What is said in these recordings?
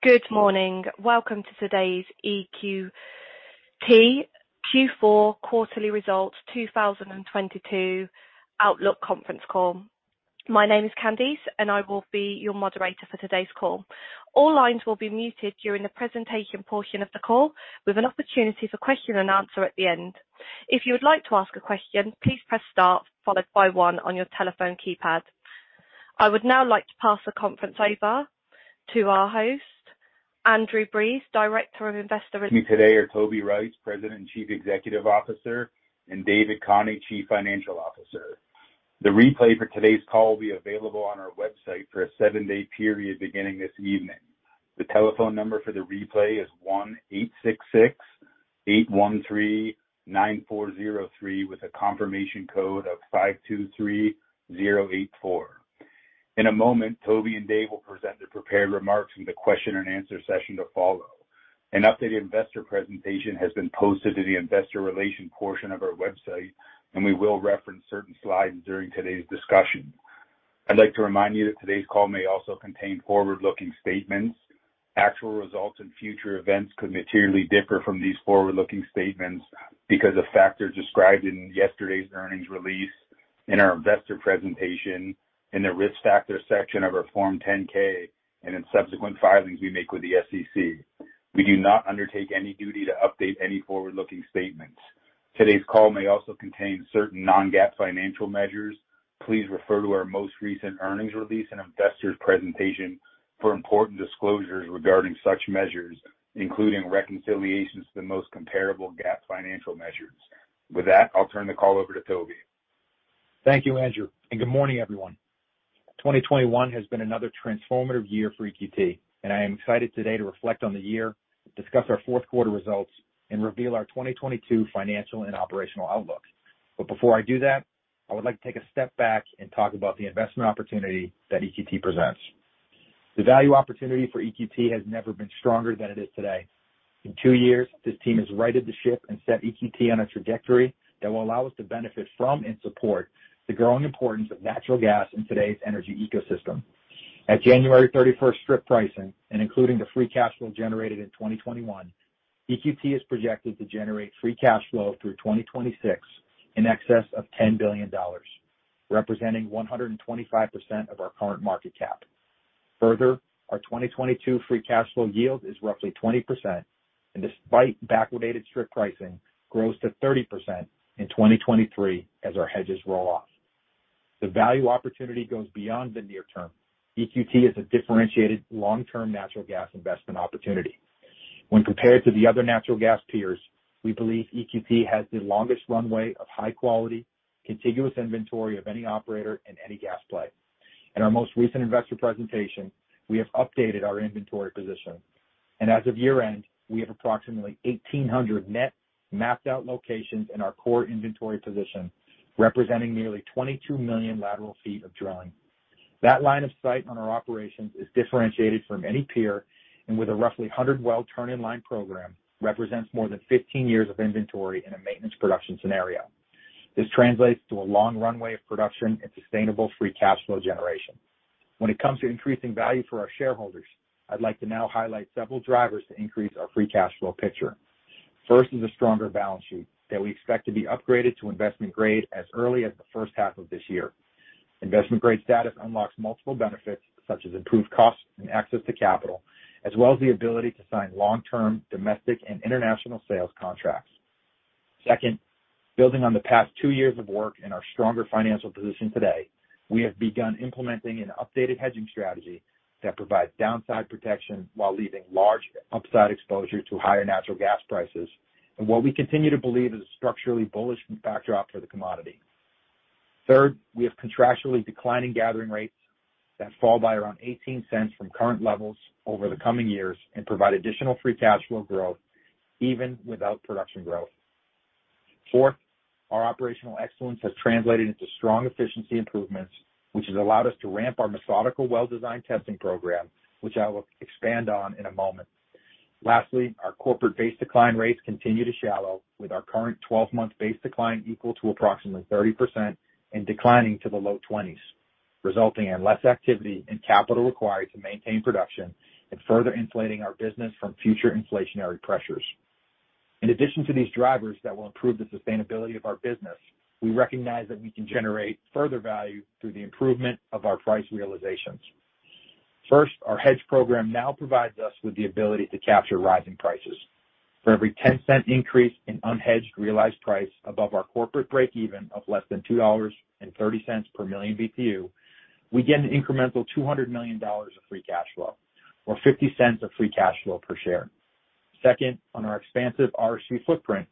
Good morning. Welcome to today's EQT Q4 Quarterly Results 2022 Outlook Conference Call. My name is Candice, and I will be your moderator for today's call. All lines will be muted during the presentation portion of the call with an opportunity for question and answer at the end. If you would like to ask a question, please press star followed by one on your telephone keypad. I would now like to pass the conference over to our host, Andrew Breese, Director of Investor. With me today are Toby Rice, President and Chief Executive Officer, and David Khani, Chief Financial Officer. The replay for today's call will be available on our website for a seven-day period beginning this evening. The telephone number for the replay is 1-866-813-9403 with a confirmation code of 523084. In a moment, Toby and Dave will present their prepared remarks in the question and answer session to follow. An updated investor presentation has been posted to the investor relations portion of our website, and we will reference certain slides during today's discussion. I'd like to remind you that today's call may also contain forward-looking statements. Actual results in future events could materially differ from these forward-looking statements because of factors described in yesterday's earnings release in our investor presentation, in the Risk Factors section of our Form 10-K, and in subsequent filings we make with the SEC. We do not undertake any duty to update any forward-looking statements. Today's call may also contain certain non-GAAP financial measures. Please refer to our most recent earnings release and investor presentation for important disclosures regarding such measures, including reconciliations to the most comparable GAAP financial measures. With that, I'll turn the call over to Toby. Thank you, Andrew, and good morning, everyone. 2021 has been another transformative year for EQT, and I am excited today to reflect on the year, discuss our fourth quarter results, and reveal our 2022 financial and operational outlooks. Before I do that, I would like to take a step back and talk about the investment opportunity that EQT presents. The value opportunity for EQT has never been stronger than it is today. In two years, this team has righted the ship and set EQT on a trajectory that will allow us to benefit from and support the growing importance of natural gas in today's energy ecosystem. At January 31st strip pricing, and including the free cash flow generated in 2021, EQT is projected to generate free cash flow through 2026 in excess of $10 billion, representing 125% of our current market cap. Further, our 2022 free cash flow yield is roughly 20%, and despite backwardated strip pricing grows to 30% in 2023 as our hedges roll off. The value opportunity goes beyond the near term. EQT is a differentiated long-term natural gas investment opportunity. When compared to the other natural gas peers, we believe EQT has the longest runway of high-quality, contiguous inventory of any operator in any gas play. In our most recent investor presentation, we have updated our inventory position, and as of year-end, we have approximately 1,800 net mapped out locations in our core inventory position, representing nearly 22 million lateral feet of drilling. That line of sight on our operations is differentiated from any peer, and with a roughly 100 well turn in line program represents more than 15 years of inventory in a maintenance production scenario. This translates to a long runway of production and sustainable free cash flow generation. When it comes to increasing value for our shareholders, I'd like to now highlight several drivers to increase our free cash flow picture. First is a stronger balance sheet that we expect to be upgraded to investment grade as early as the first half of this year. Investment grade status unlocks multiple benefits such as improved cost and access to capital, as well as the ability to sign long-term domestic and international sales contracts. Second, building on the past two years of work and our stronger financial position today, we have begun implementing an updated hedging strategy that provides downside protection while leaving large upside exposure to higher natural gas prices and what we continue to believe is a structurally bullish backdrop for the commodity. Third, we have contractually declining gathering rates that fall by around $0.18 from current levels over the coming years and provide additional free cash flow growth even without production growth. Fourth, our operational excellence has translated into strong efficiency improvements, which has allowed us to ramp our 12-month methodical well design testing program, which I will expand on in a moment. Lastly, our corporate base decline rates continue to shallow with our current 12-month base decline equal to approximately 30% and declining to the low 20s, resulting in less activity and capital required to maintain production and further insulating our business from future inflationary pressures. In addition to these drivers that will improve the sustainability of our business, we recognize that we can generate further value through the improvement of our price realizations. First, our hedge program now provides us with the ability to capture rising prices. For every 10-cent increase in unhedged realized price above our corporate breakeven of less than $2.30 per million BTU, we get an incremental $200 million of free cash flow or $0.50 of free cash flow per share. Second, on our expansive RSG footprint,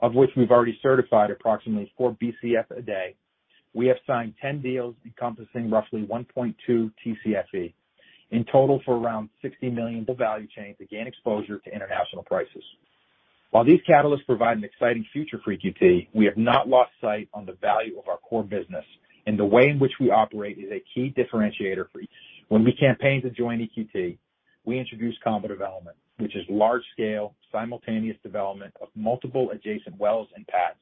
of which we've already certified approximately 4 BCF a day, we have signed 10 deals encompassing roughly 1.2 TCFE, in total for around $60 million to value chain to gain exposure to international prices. While these catalysts provide an exciting future for EQT, we have not lost sight of the value of our core business. The way in which we operate is a key differentiator for EQT. When we campaigned to join EQT, we introduced combo development, which is large scale, simultaneous development of multiple adjacent wells and pads.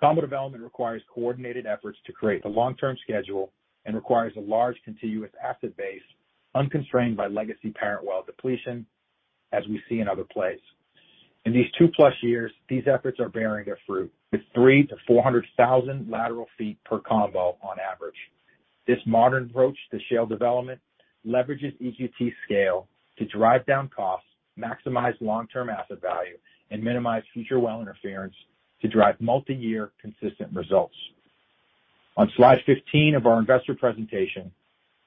Combo development requires coordinated efforts to create the long-term schedule and requires a large contiguous asset base unconstrained by legacy parent well depletion as we see in other plays. In these 2+ years, these efforts are bearing their fruit with 300,000-400,000 lateral feet per combo on average. This modern approach to shale development leverages EQT scale to drive down costs, maximize long-term asset value, and minimize future well interference to drive multi-year consistent results. On slide 15 of our investor presentation,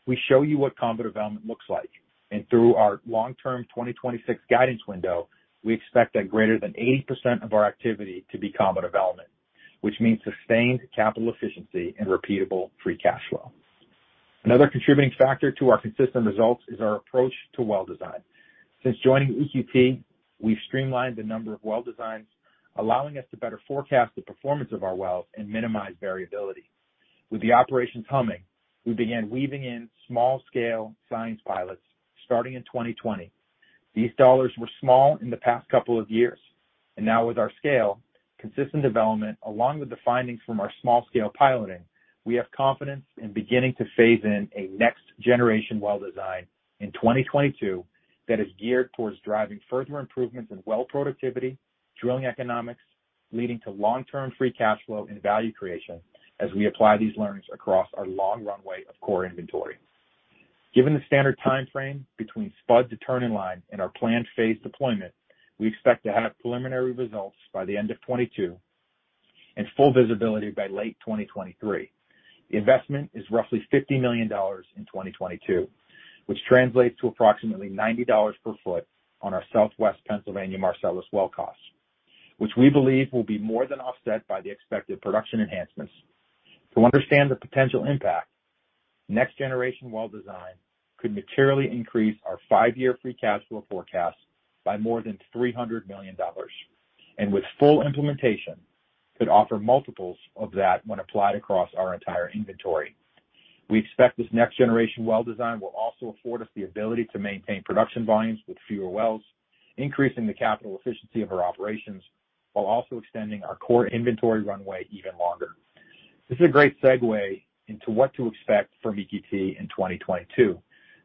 we show you what combo development looks like. Through our long-term 2026 guidance window, we expect that greater than 80% of our activity to be combo development, which means sustained capital efficiency and repeatable free cash flow. Another contributing factor to our consistent results is our approach to well design. Since joining EQT, we've streamlined the number of well designs, allowing us to better forecast the performance of our wells and minimize variability. With the operations humming, we began weaving in small scale science pilots starting in 2020. These dollars were small in the past couple of years. Now with our scale, consistent development, along with the findings from our small scale piloting, we have confidence in beginning to phase in a next-generation well design in 2022 that is geared towards driving further improvements in well productivity, drilling economics, leading to long-term free cash flow and value creation as we apply these learnings across our long runway of core inventory. Given the standard timeframe between spud to turn in line and our planned phase deployment, we expect to have preliminary results by the end of 2022 and full visibility by late 2023. The investment is roughly $50 million in 2022, which translates to approximately $90 per foot on our Southwest Pennsylvania Marcellus well costs, which we believe will be more than offset by the expected production enhancements. To understand the potential impact, next-generation well design could materially increase our five-year free cash flow forecast by more than $300 million, and with full implementation, could offer multiples of that when applied across our entire inventory. We expect this next generation well design will also afford us the ability to maintain production volumes with fewer wells, increasing the capital efficiency of our operations while also extending our core inventory runway even longer. This is a great segue into what to expect from EQT in 2022.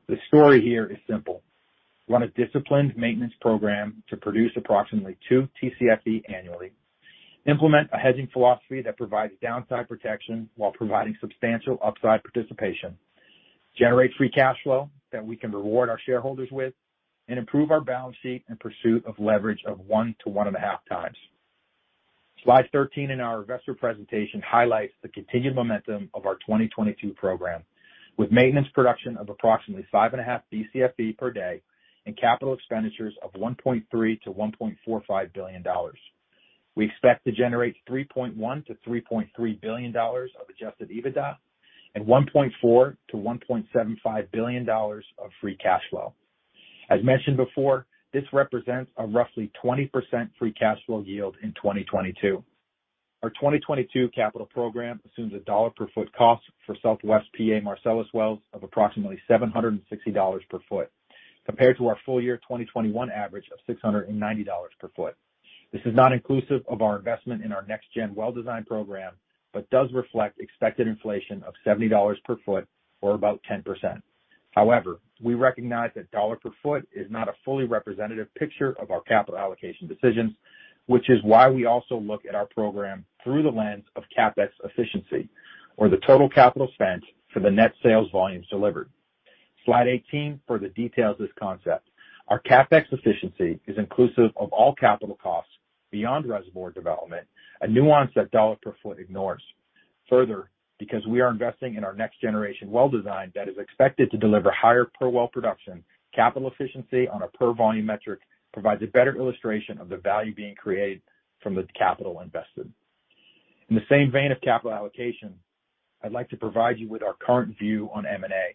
The story here is simple. Run a disciplined maintenance program to produce approximately 2 TCFE annually. Implement a hedging philosophy that provides downside protection while providing substantial upside participation. Generate free cash flow that we can reward our shareholders with, and improve our balance sheet in pursuit of leverage of 1-1.5 times. Slide 13 in our investor presentation highlights the continued momentum of our 2022 program with maintenance production of approximately 5.5 BCFE per day and capital expenditures of $1.3-$1.45 billion. We expect to generate $3.1-$3.3 billion of adjusted EBITDA and $1.4-$1.75 billion of free cash flow. As mentioned before, this represents a roughly 20% free cash flow yield in 2022. Our 2022 capital program assumes a dollar per foot cost for Southwest PA Marcellus wells of approximately $760 per foot, compared to our full year 2021 average of $690 per foot. This is not inclusive of our investment in our next gen well design program, but does reflect expected inflation of $70 per foot or about 10%. However, we recognize that $ per foot is not a fully representative picture of our capital allocation decisions, which is why we also look at our program through the lens of CapEx efficiency or the total capital spent for the net sales volumes delivered. Slide 18 further details this concept. Our CapEx efficiency is inclusive of all capital costs beyond reservoir development, a nuance that dollar per foot ignores. Further, because we are investing in our next-generation well design that is expected to deliver higher per well production, capital efficiency on a per volume metric provides a better illustration of the value being created from the capital invested. In the same vein of capital allocation, I'd like to provide you with our current view on M&A.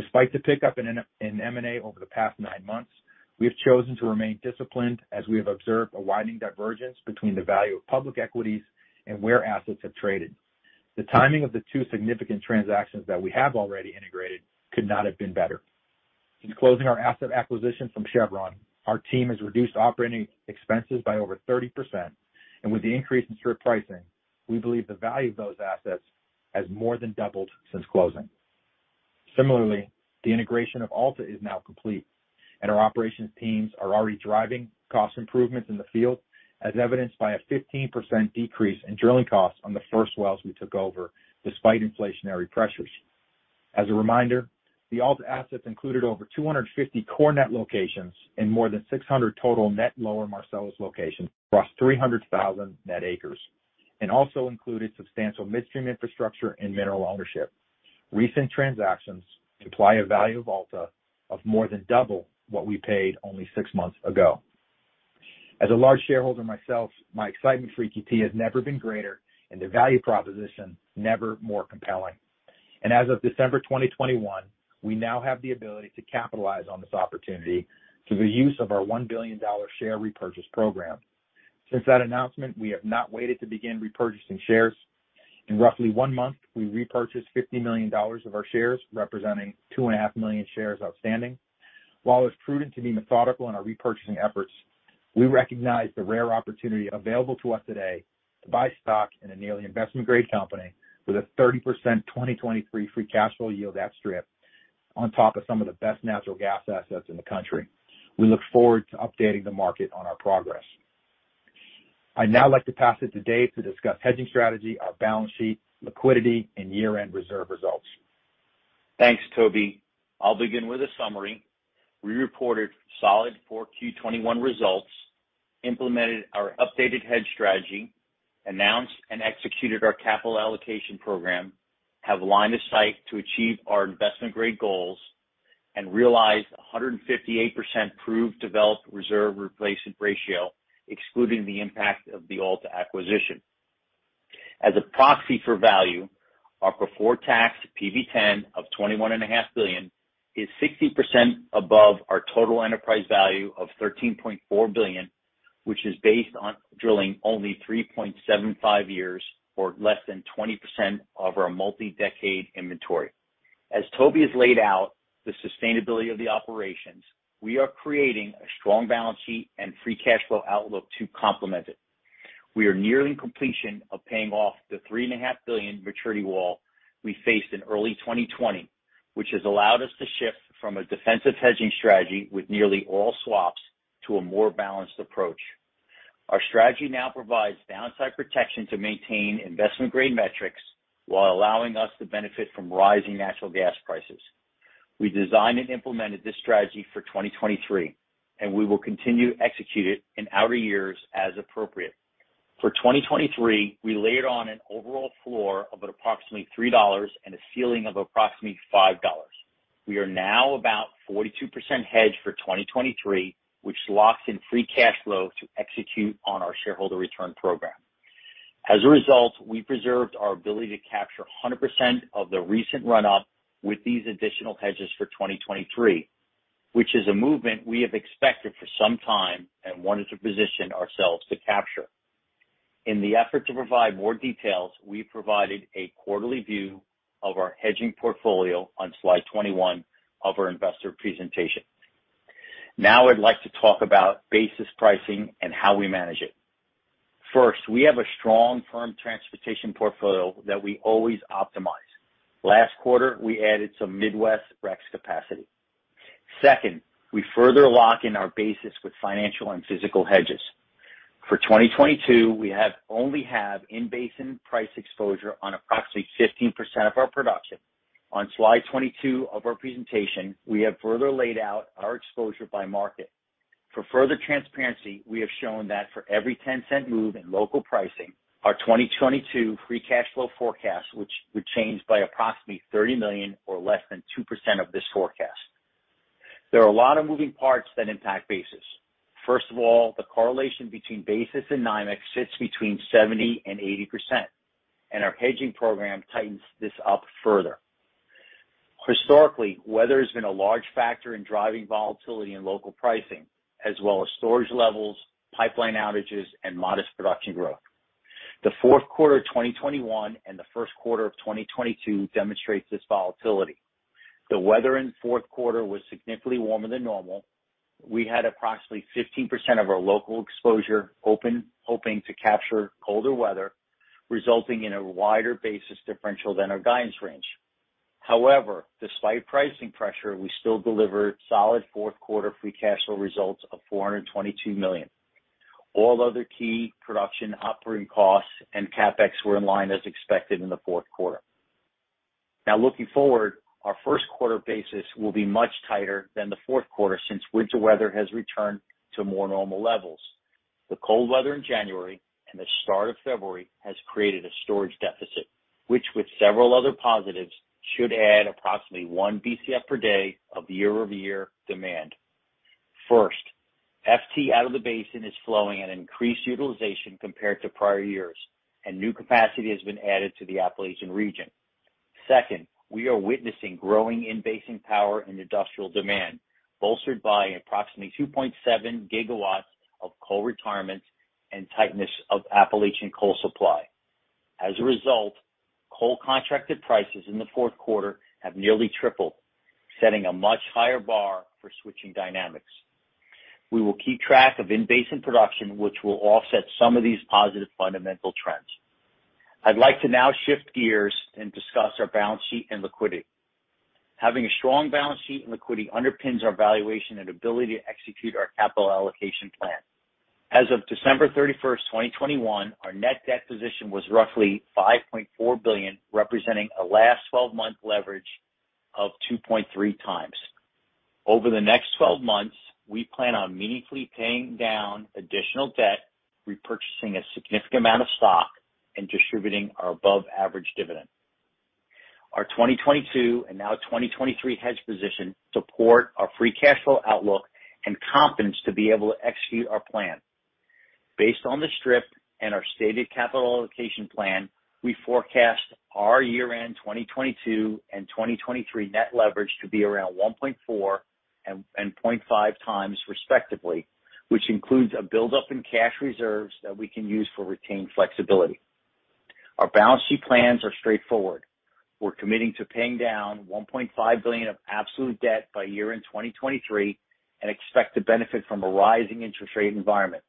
Despite the pickup in M&A over the past nine months, we have chosen to remain disciplined as we have observed a widening divergence between the value of public equities and where assets have traded. The timing of the two significant transactions that we have already integrated could not have been better. In closing our asset acquisition from Chevron, our team has reduced operating expenses by over 30%. With the increase in strip pricing, we believe the value of those assets has more than doubled since closing. Similarly, the integration of Alta is now complete, and our operations teams are already driving cost improvements in the field, as evidenced by a 15% decrease in drilling costs on the first wells we took over despite inflationary pressures. As a reminder, the Alta assets included over 250 core net locations and more than 600 total net lower Marcellus locations across 300,000 net acres, and also included substantial midstream infrastructure and mineral ownership. Recent transactions imply a value of Alta of more than double what we paid only six months ago. As a large shareholder myself, my excitement for EQT has never been greater and the value proposition never more compelling. As of December 2021, we now have the ability to capitalize on this opportunity through the use of our $1 billion share repurchase program. Since that announcement, we have not waited to begin repurchasing shares. In roughly one month, we repurchased $50 million of our shares, representing 2.5 million shares outstanding. While it's prudent to be methodical in our repurchasing efforts, we recognize the rare opportunity available to us today to buy stock in a nearly investment grade company with a 30% 2023 free cash flow yield at strip on top of some of the best natural gas assets in the country. We look forward to updating the market on our progress. I'd now like to pass it to Dave to discuss hedging strategy, our balance sheet, liquidity, and year-end reserve results. Thanks, Toby. I'll begin with a summary. We reported solid Q4 2021 results, implemented our updated hedge strategy, announced and executed our capital allocation program, have aligned our sights to achieve our investment-grade goals, and realized a 158% proved developed reserve replacement ratio, excluding the impact of the Alta acquisition. As a proxy for value, our pre-tax PV-10 of $21.5 billion is 60% above our total enterprise value of $13.4 billion, which is based on drilling only 3.75 years, or less than 20% of our multi-decade inventory. As Toby has laid out the sustainability of the operations, we are creating a strong balance sheet and free cash flow outlook to complement it. We are nearing completion of paying off the $3.5 billion maturity wall we faced in early 2020, which has allowed us to shift from a defensive hedging strategy with nearly all swaps to a more balanced approach. Our strategy now provides downside protection to maintain investment-grade metrics while allowing us to benefit from rising natural gas prices. We designed and implemented this strategy for 2023, and we will continue to execute it in outer years as appropriate. For 2023, we layered on an overall floor of approximately $3 and a ceiling of approximately $5. We are now about 42% hedged for 2023, which locks in free cash flow to execute on our shareholder return program. As a result, we preserved our ability to capture 100% of the recent run-up with these additional hedges for 2023, which is a movement we have expected for some time and wanted to position ourselves to capture. In the effort to provide more details, we provided a quarterly view of our hedging portfolio on slide 21 of our investor presentation. Now I'd like to talk about basis pricing and how we manage it. First, we have a strong firm transportation portfolio that we always optimize. Last quarter, we added some Midwest REX capacity. Second, we further lock in our basis with financial and physical hedges. For 2022, we only have in basin price exposure on approximately 15% of our production. On slide 22 of our presentation, we have further laid out our exposure by market. For further transparency, we have shown that for every 10-cent move in local pricing, our 2022 free cash flow forecast, which would change by approximately $30 million or less than 2% of this forecast. There are a lot of moving parts that impact basis. First of all, the correlation between basis and NYMEX sits between 70%-80%, and our hedging program tightens this up further. Historically, weather has been a large factor in driving volatility in local pricing, as well as storage levels, pipeline outages, and modest production growth. The fourth quarter of 2021 and the first quarter of 2022 demonstrates this volatility. The weather in the fourth quarter was significantly warmer than normal. We had approximately 15% of our local exposure open, hoping to capture colder weather, resulting in a wider basis differential than our guidance range. However, despite pricing pressure, we still delivered solid fourth quarter free cash flow results of $422 million. All other key production operating costs and CapEx were in line as expected in the fourth quarter. Now, looking forward, our first quarter basis will be much tighter than the fourth quarter since winter weather has returned to more normal levels. The cold weather in January and the start of February has created a storage deficit, which with several other positives, should add approximately 1 BCF per day of year-over-year demand. First, FT out of the basin is flowing at increased utilization compared to prior years, and new capacity has been added to the Appalachian region. Second, we are witnessing growing in basin power and industrial demand, bolstered by approximately 2.7 gigawatts of coal retirements and tightness of Appalachian coal supply. As a result, coal contracted prices in the fourth quarter have nearly tripled, setting a much higher bar for switching dynamics. We will keep track of in-basin production, which will offset some of these positive fundamental trends. I'd like to now shift gears and discuss our balance sheet and liquidity. Having a strong balance sheet and liquidity underpins our valuation and ability to execute our capital allocation plan. As of December 31, 2021, our net debt position was roughly $5.4 billion, representing a last twelve-month leverage of 2.3x. Over the next twelve months, we plan on meaningfully paying down additional debt, repurchasing a significant amount of stock, and distributing our above-average dividend. Our 2022 and now 2023 hedge position support our free cash flow outlook and confidence to be able to execute our plan. Based on the strip and our stated capital allocation plan, our year-end 2022 and 2023 net leverage to be around 1.4 and 0.5 times respectively, which includes a buildup in cash reserves that we can use for retained flexibility. Our balance sheet plans are straightforward. We're committing to paying down $1.5 billion of absolute debt by year-end 2023 and expect to benefit from a rising interest rate environment.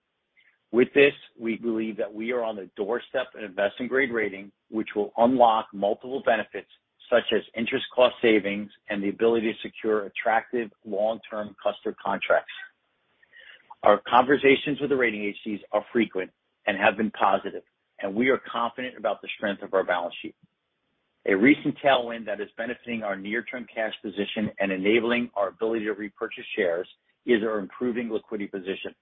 With this, we believe that we are on the doorstep of investment grade rating, which will unlock multiple benefits such as interest cost savings and the ability to secure attractive long-term customer contracts. Our conversations with the rating agencies are frequent and have been positive, and we are confident about the strength of our balance sheet. A recent tailwind that is benefiting our near-term cash position and enabling our ability to repurchase shares is our improving liquidity position.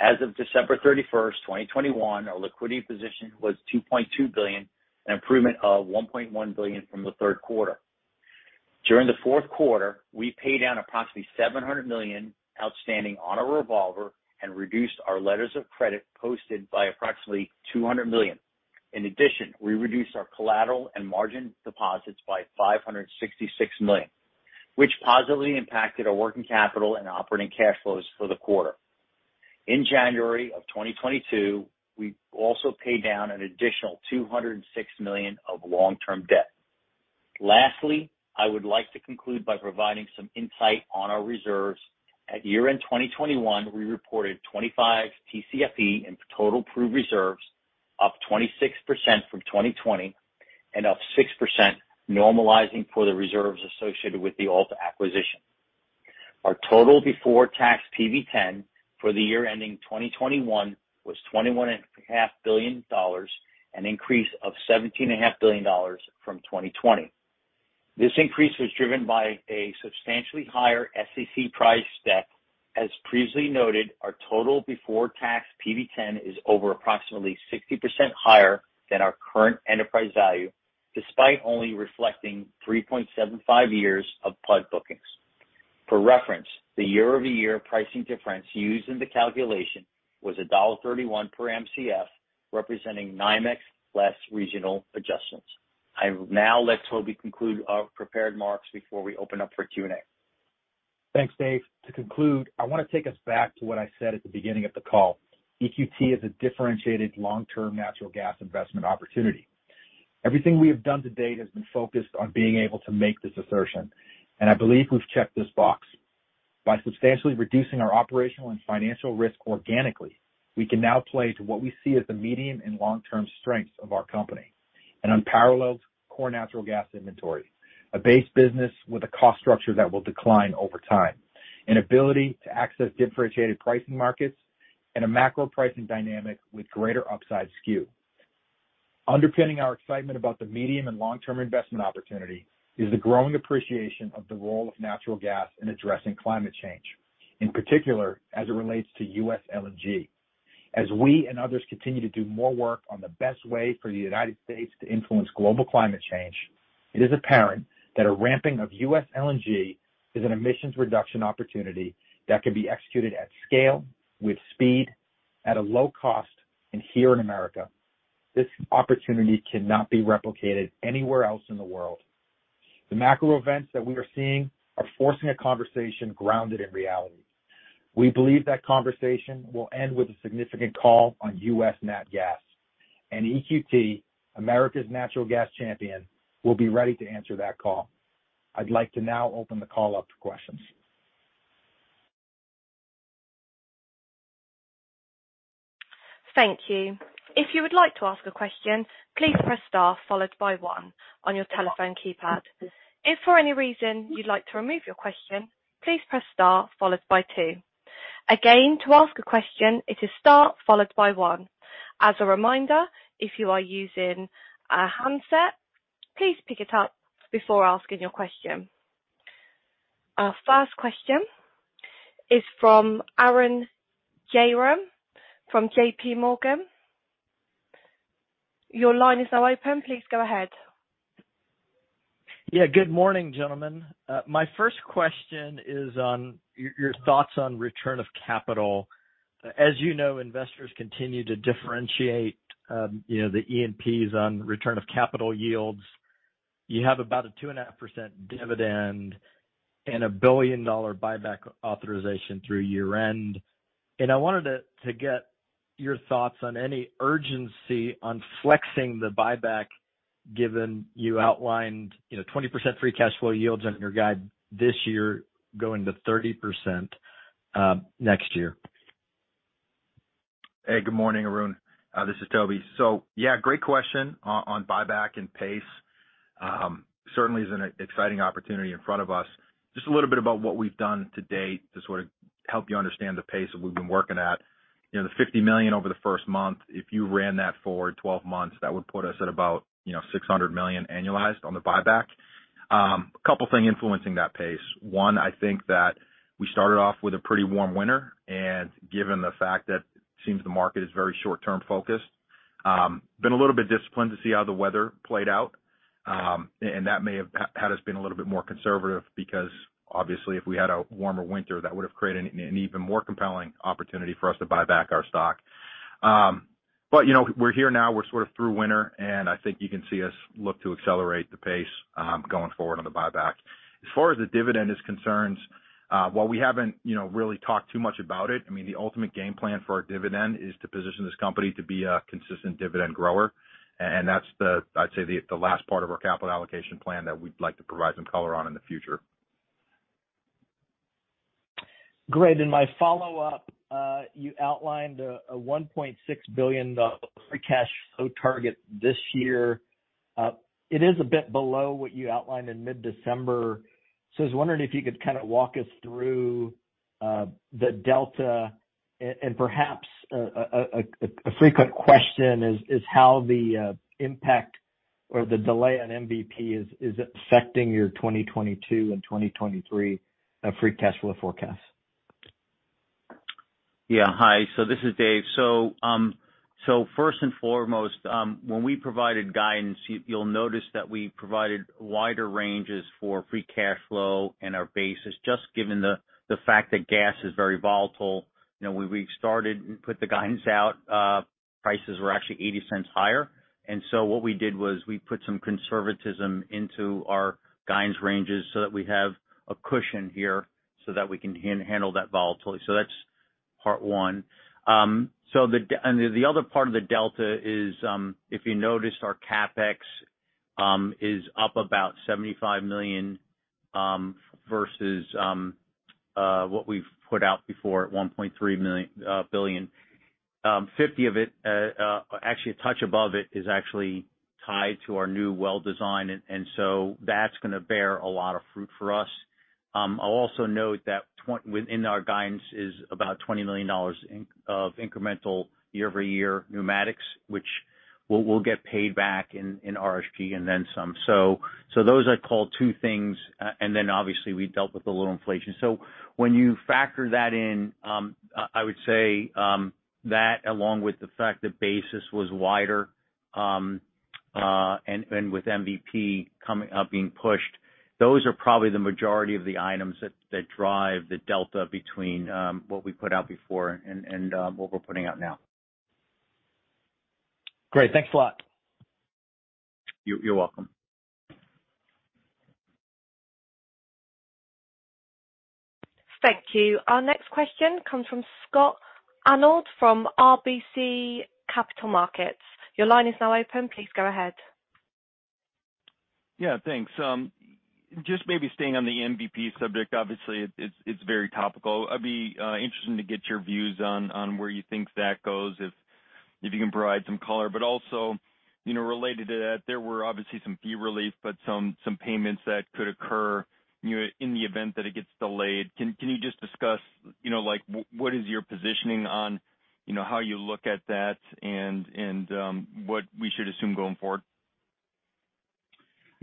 As of December 31, 2021, our liquidity position was $2.2 billion, an improvement of $1.1 billion from the third quarter. During the fourth quarter, we paid down approximately $700 million outstanding on our revolver and reduced our letters of credit posted by approximately $200 million. In addition, we reduced our collateral and margin deposits by $566 million, which positively impacted our working capital and operating cash flows for the quarter. In January of 2022, we also paid down an additional $206 million of long-term debt. Lastly, I would like to conclude by providing some insight on our reserves. At year-end 2021, we reported 25 TCFE in total proved reserves, up 26% from 2020 and up 6% normalizing for the reserves associated with the Alta acquisition. Our total before tax PV10 for the year ending 2021 was $21 and a half billion, an increase of $17 and a half billion from 2020. This increase was driven by a substantially higher SEC price deck. As previously noted, our total before tax PV10 is over approximately 60% higher than our current enterprise value, despite only reflecting 3.75 years of PUD bookings. For reference, the year-over-year pricing difference used in the calculation was $1.31 per Mcf, representing NYMEX less regional adjustments. I will now let Toby conclude our prepared remarks before we open up for Q&A. Thanks, Dave. To conclude, I want to take us back to what I said at the beginning of the call. EQT is a differentiated long-term natural gas investment opportunity. Everything we have done to date has been focused on being able to make this assertion, and I believe we've checked this box. By substantially reducing our operational and financial risk organically, we can now play to what we see as the medium and long-term strengths of our company, an unparalleled core natural gas inventory, a base business with a cost structure that will decline over time, an ability to access differentiated pricing markets, and a macro pricing dynamic with greater upside skew. Underpinning our excitement about the medium and long-term investment opportunity is the growing appreciation of the role of natural gas in addressing climate change, in particular, as it relates to U.S. LNG. As we and others continue to do more work on the best way for the United States to influence global climate change, it is apparent that a ramping of U.S. LNG is an emissions reduction opportunity that can be executed at scale, with speed, at a low cost, and here in America. This opportunity cannot be replicated anywhere else in the world. The macro events that we are seeing are forcing a conversation grounded in reality. We believe that conversation will end with a significant call on U.S. nat gas. EQT, America's natural gas champion, will be ready to answer that call. I'd like to now open the call up to questions. Thank you. If you will like to ask a question please press star followed by one on your telephone keypad. If for any reason you will like to remove your question please press star followed by two. Again to ask a question it is star followed by one. If you are using a hands dial please pick it up before asking your question. Our first question is from Arun Jayaram from J.P. Morgan. Your line is now open. Please go ahead. Yeah. Good morning, gentlemen. My first question is on your thoughts on return of capital. As you know, investors continue to differentiate the E&Ps on return of capital yields. You have about a 2.5% dividend and a $1 billion buyback authorization through year-end. I wanted to get your thoughts on any urgency on flexing the buyback, given you outlined 20% free cash flow yields on your guide this year, going to 30%, next year. Hey, good morning, Arun. This is Toby. Yeah, great question on buyback and pace, certainly is an exciting opportunity in front of us. Just a little bit about what we've done to date to sort of help you understand the pace that we've been working at. You know, the $50 million over the first month, if you ran that forward 12 months, that would put us at about $600 million annualized on the buyback. A couple of things influencing that pace. One, I think that we started off with a pretty warm winter, and given the fact that it seems the market is very short-term focused, we've been a little bit disciplined to see how the weather played out. And that may have had us be a little bit more conservative because obviously if we had a warmer winter, that would have created an even more compelling opportunity for us to buy back our stock. You know, we're here now, we're sort of through winter, and I think you can see us look to accelerate the pace going forward on the buyback. As far as the dividend is concerned, while we haven't you know really talked too much about it, I mean, the ultimate game plan for our dividend is to position this company to be a consistent dividend grower. That's the, I'd say, the last part of our capital allocation plan that we'd like to provide some color on in the future. Great. In my follow-up, you outlined a $1.6 billion free cash flow target this year. It is a bit below what you outlined in mid-December. I was wondering if you could kind of walk us through the delta and perhaps a frequent question is how the impact or the delay on MVP is affecting your 2022 and 2023 free cash flow forecast. Yeah. Hi, this is Dave. First and foremost, when we provided guidance, you'll notice that we provided wider ranges for free cash flow and our basis, just given the fact that gas is very volatile. You know, when we started and put the guidance out, prices were actually $0.80 higher. What we did was we put some conservatism into our guidance ranges so that we have a cushion here so that we can handle that volatility. That's part one. The other part of the delta is, if you noticed, our CapEx is up about $75 million, versus what we've put out before at $1.3 billion. $50 million of it, actually a touch above it, is actually tied to our new well design. That's gonna bear a lot of fruit for us. I'll also note that within our guidance is about $20 million of incremental year-over-year pneumatics, which we'll get paid back in RSG and then some. Those I'd call two things. Then obviously we dealt with a little inflation. When you factor that in, I would say that along with the fact the basis was wider, and with MVP being pushed, those are probably the majority of the items that drive the delta between what we put out before and what we're putting out now. Great. Thanks a lot. You're welcome. Thank you. Our next question comes from Scott Hanold from RBC Capital Markets. Your line is now open. Please go ahead. Yeah, thanks. Just maybe staying on the MVP subject, obviously it's very topical. I'd be interested to get your views on where you think that goes, if you can provide some color. Also, you know, related to that, there were obviously some fee relief, but some payments that could occur, you know, in the event that it gets delayed. Can you just discuss what is your positioning on how you look at that and what we should assume going forward?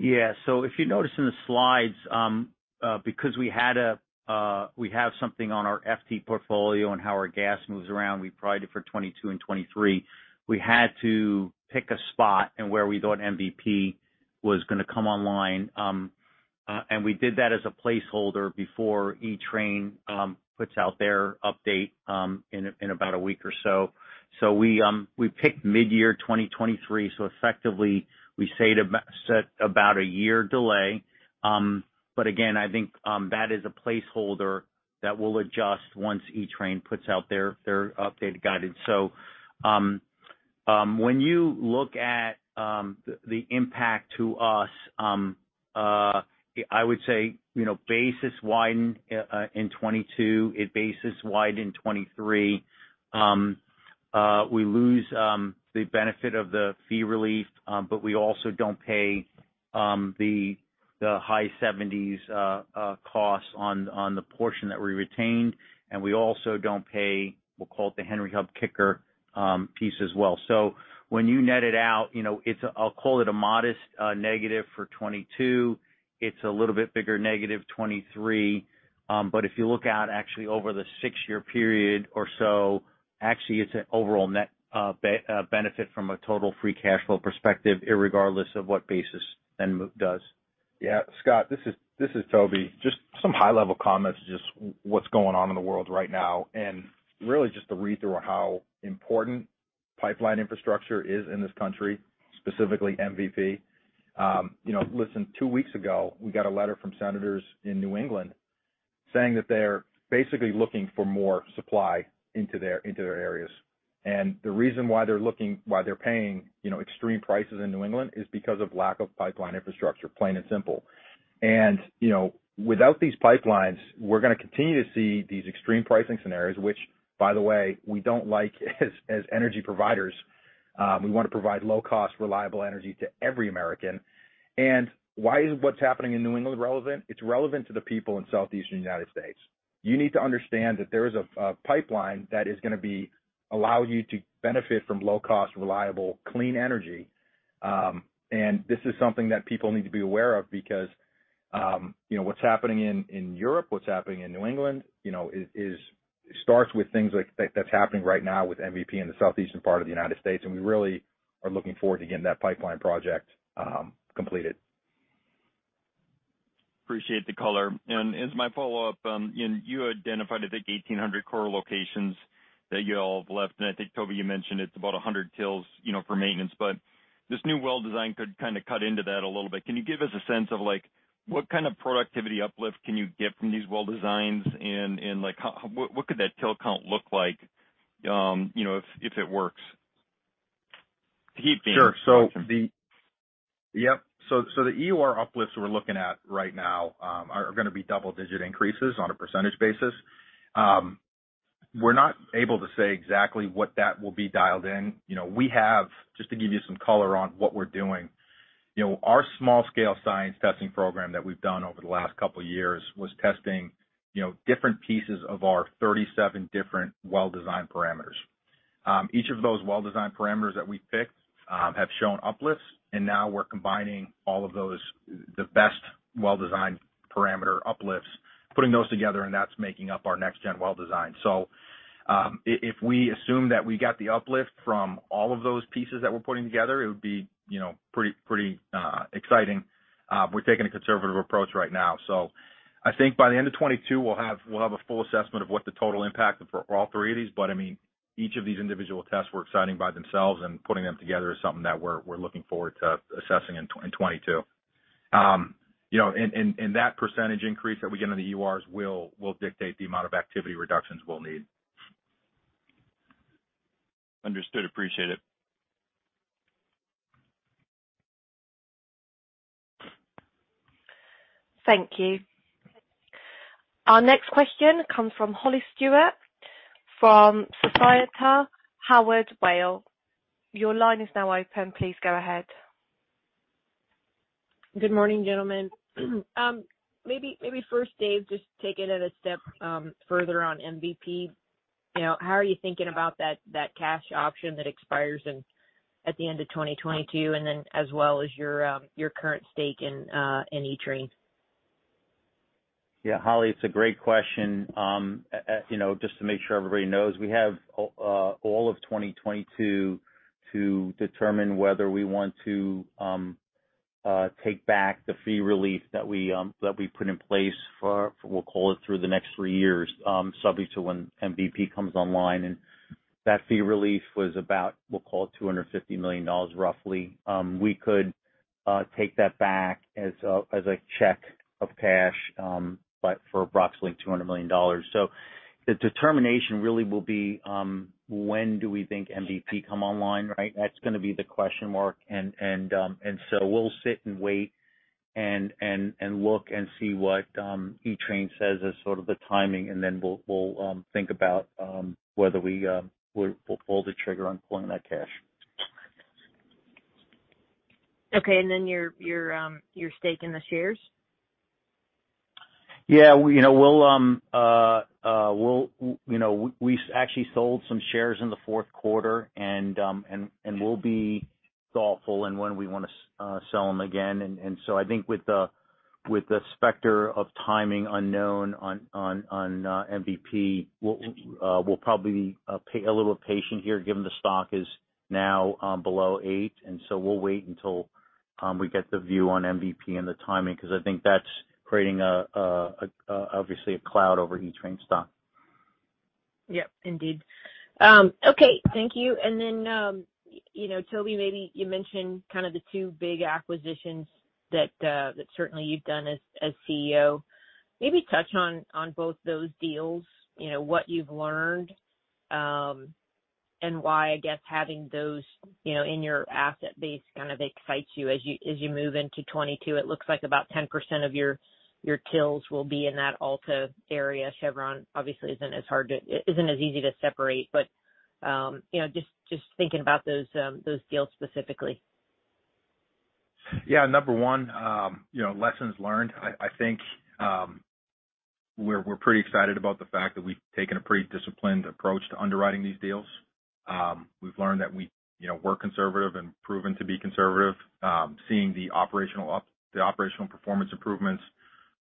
Yeah. If you notice in the slides, because we had a, we have something on our FT portfolio and how our gas moves around, we provided for 2022 and 2023. We had to pick a spot in where we thought MVP was gonna come online, and we did that as a placeholder before Equitrans puts out their update in about a week or so. We picked mid-year 2023, so effectively we say to set about a year delay. Again, I think that is a placeholder that will adjust once Equitrans puts out their updated guidance. When you look at the impact to us, I would say, you know, basis widens in 2022. If basis widens in 2023, we lose the benefit of the fee relief, but we also don't pay the high seventies costs on the portion that we retained. We also don't pay, we'll call it the Henry Hub kicker piece as well. When you net it out, you know, it's a modest negative for 2022. I'll call it a little bit bigger negative 2023. But if you look out actually over the six-year period or so, actually it's an overall net benefit from a total free cash flow perspective, irregardless of what basis NMO does. Yeah, Scott, this is Toby. Just some high-level comments, just what's going on in the world right now, and really just a read-through on how important pipeline infrastructure is in this country, specifically MVP. You know, listen, two weeks ago, we got a letter from senators in New England saying that they're basically looking for more supply into their areas. The reason why they're paying, you know, extreme prices in New England is because of lack of pipeline infrastructure, plain and simple. You know, without these pipelines, we're gonna continue to see these extreme pricing scenarios, which, by the way, we don't like as energy providers. We wanna provide low-cost, reliable energy to every American. Why is what's happening in New England relevant? It's relevant to the people in southeastern United States. You need to understand that there is a pipeline that is gonna allow you to benefit from low cost, reliable, clean energy. This is something that people need to be aware of because you know, what's happening in Europe, what's happening in New England, you know, is starts with things like that's happening right now with MVP in the southeastern part of the United States, and we really are looking forward to getting that pipeline project completed. appreciate the color. As my follow-up, you know, you identified, I think, 1,800 core locations that you all have left, and I think, Toby, you mentioned it's about 100 wells, you know, for maintenance. But this new well design could kind of cut into that a little bit. Can you give us a sense of what kind of productivity uplift can you get from these well designs? And what could that well count look like, you know, if it works? To keep the. Sure. The EUR uplifts we're looking at right now are gonna be double-digit increases on a percentage basis. We're not able to say exactly what that will be dialed in. You know, we have just to give you some color on what we're doing, you know, our small-scale science testing program that we've done over the last couple years was testing different pieces of our 37 different well design parameters. Each of those well design parameters that we picked have shown uplifts, and now we're combining all of those, the best well design parameter uplifts, putting those together, and that's making up our next gen well design. If we assume that we got the uplift from all of those pieces that we're putting together, it would be you know, pretty exciting. We're taking a conservative approach right now. I think by the end of 2022, we'll have a full assessment of what the total impact for all three of these. I mean, each of these individual tests were exciting by themselves, and putting them together is something that we're looking forward to assessing in 2022. You know, that percentage increase that we get on the EURs will dictate the amount of activity reductions we'll need. Understood. Appreciate it. Thank you. Our next question comes from Holly Stewart from Scotia Howard Weil. Your line is now open. Please go ahead. Good morning, gentlemen. Maybe first, David, just take it a step further on MVP. You know, how are you thinking about that cash option that expires at the end of 2022, and then as well as your current stake in Equitrans? Yeah. Holly, it's a great question. You know, just to make sure everybody knows, we have all of 2022 to determine whether we want to take back the fee relief that we put in place for, we'll call it, through the next three years, subject to when MVP comes online. That fee relief was about, we'll call it, $250 million, roughly. We could take that back as a chunk of cash, but for approximately $200 million. The determination really will be when do we think MVP come online, right? That's gonna be the question mark. We'll sit and wait and look and see what Equitrans says as sort of the timing, and then we'll think about whether we'll pull the trigger on pulling that cash. Okay. Your stake in the shares? Yeah. You know, we actually sold some shares in the fourth quarter, and we'll be thoughtful in when we wanna sell them again. I think with the specter of timing unknown on MVP, we'll probably be a little patient here, given the stock is now below $8. We'll wait until we get the view on MVP and the timing, 'cause I think that's creating obviously a cloud over Equitrans stock. Yep, indeed. Okay. Thank you. You know, Toby, maybe you mentioned kind of the two big acquisitions that certainly you've done as CEO. Maybe touch on both those deals, you know, what you've learned and why, I guess, having those you know in your asset base kind of excites you as you move into 2022. It looks like about 10% of your wells will be in that Alta area. Chevron obviously isn't as easy to separate. You know, just thinking about those deals specifically. Number one, you know, lessons learned. I think we're pretty excited about the fact that we've taken a pretty disciplined approach to underwriting these deals. We've learned that we, you know, we're conservative and proven to be conservative. Seeing the operational performance improvements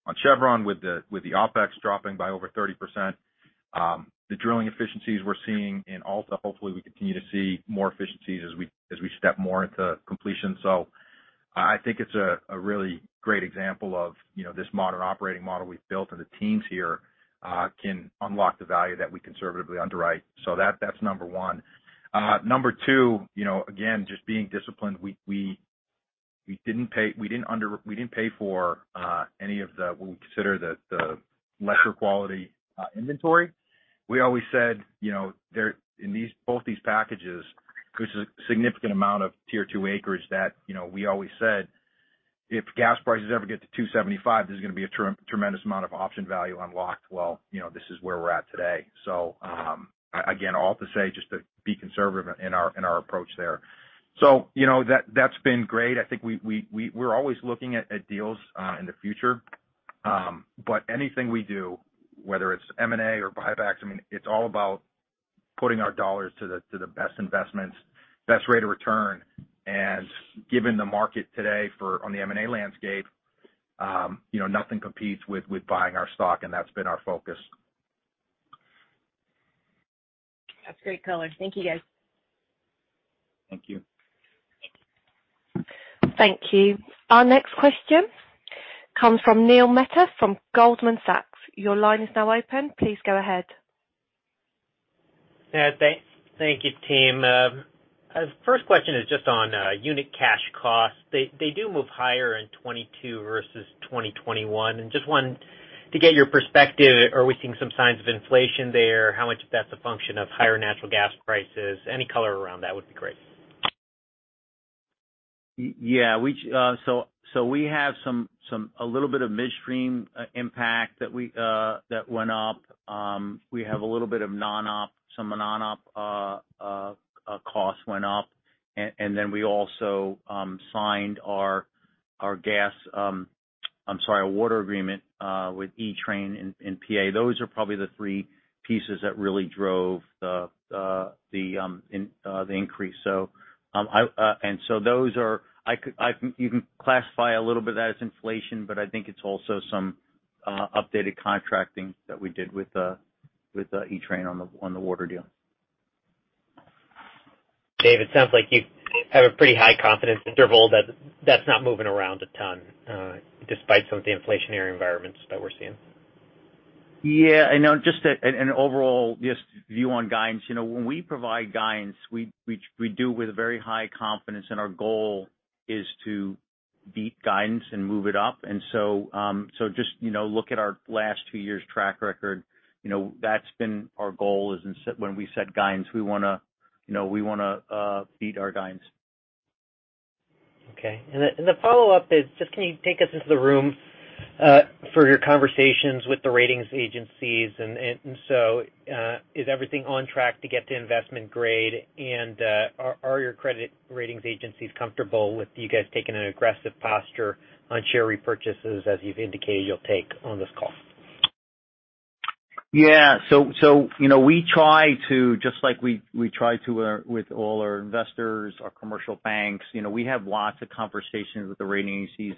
on Chevron with the OpEx dropping by over 30%. The drilling efficiencies we're seeing in Alta, hopefully, we continue to see more efficiencies as we step more into completion. I think it's a really great example of, you know, this modern operating model we've built, and the teams here can unlock the value that we conservatively underwrite. That's number one. Number two, you know, again, just being disciplined. We didn't pay for any of the what we consider the lesser quality inventory. We always said, you know, in these both these packages, there's a significant amount of Tier two acreage that, you know, we always said if gas prices ever get to $2.75, there's gonna be a tremendous amount of option value unlocked. Well, you know, this is where we're at today. Again, all to say, just to be conservative in our approach there. You know, that's been great. I think we're always looking at deals in the future. But anything we do, whether it's M&A or buybacks, I mean, it's all about- Putting our dollars to the best investments, best rate of return. Given the market today on the M&A landscape, you know, nothing competes with buying our stock, and that's been our focus. That's great color. Thank you, guys. Thank you. Thank you. Our next question comes from Neil Mehta from Goldman Sachs. Your line is now open. Please go ahead. Yeah. Thank you, team. First question is just on unit cash costs. They do move higher in 2022 versus 2021. Just wanted to get your perspective, are we seeing some signs of inflation there? How much of that's a function of higher natural gas prices? Any color around that would be great. Yeah. We have a little bit of midstream impact that went up. We have a little bit of non-op costs went up. Then we also signed our gas, I'm sorry, our water agreement with Equitrans in PA. Those are probably the three pieces that really drove the increase. You can classify a little bit of that as inflation, but I think it's also some updated contracting that we did with Equitrans on the water deal. David, it sounds like you have a pretty high confidence interval that that's not moving around a ton, despite some of the inflationary environments that we're seeing. Yeah, I know. Just an overall view on guidance. You know, when we provide guidance, we do with very high confidence, and our goal is to beat guidance and move it up. You know, look at our last two years' track record. You know, that's been our goal when we set guidance. We wanna, you know, beat our guidance. Okay. The follow-up is just, can you take us into the room for your conversations with the ratings agencies? Is everything on track to get to investment grade? Are your credit ratings agencies comfortable with you guys taking an aggressive posture on share repurchases, as you've indicated you'll take on this call? Yeah. You know, we try to, just like we try to, with all our investors, our commercial banks, you know, we have lots of conversations with the rating agencies.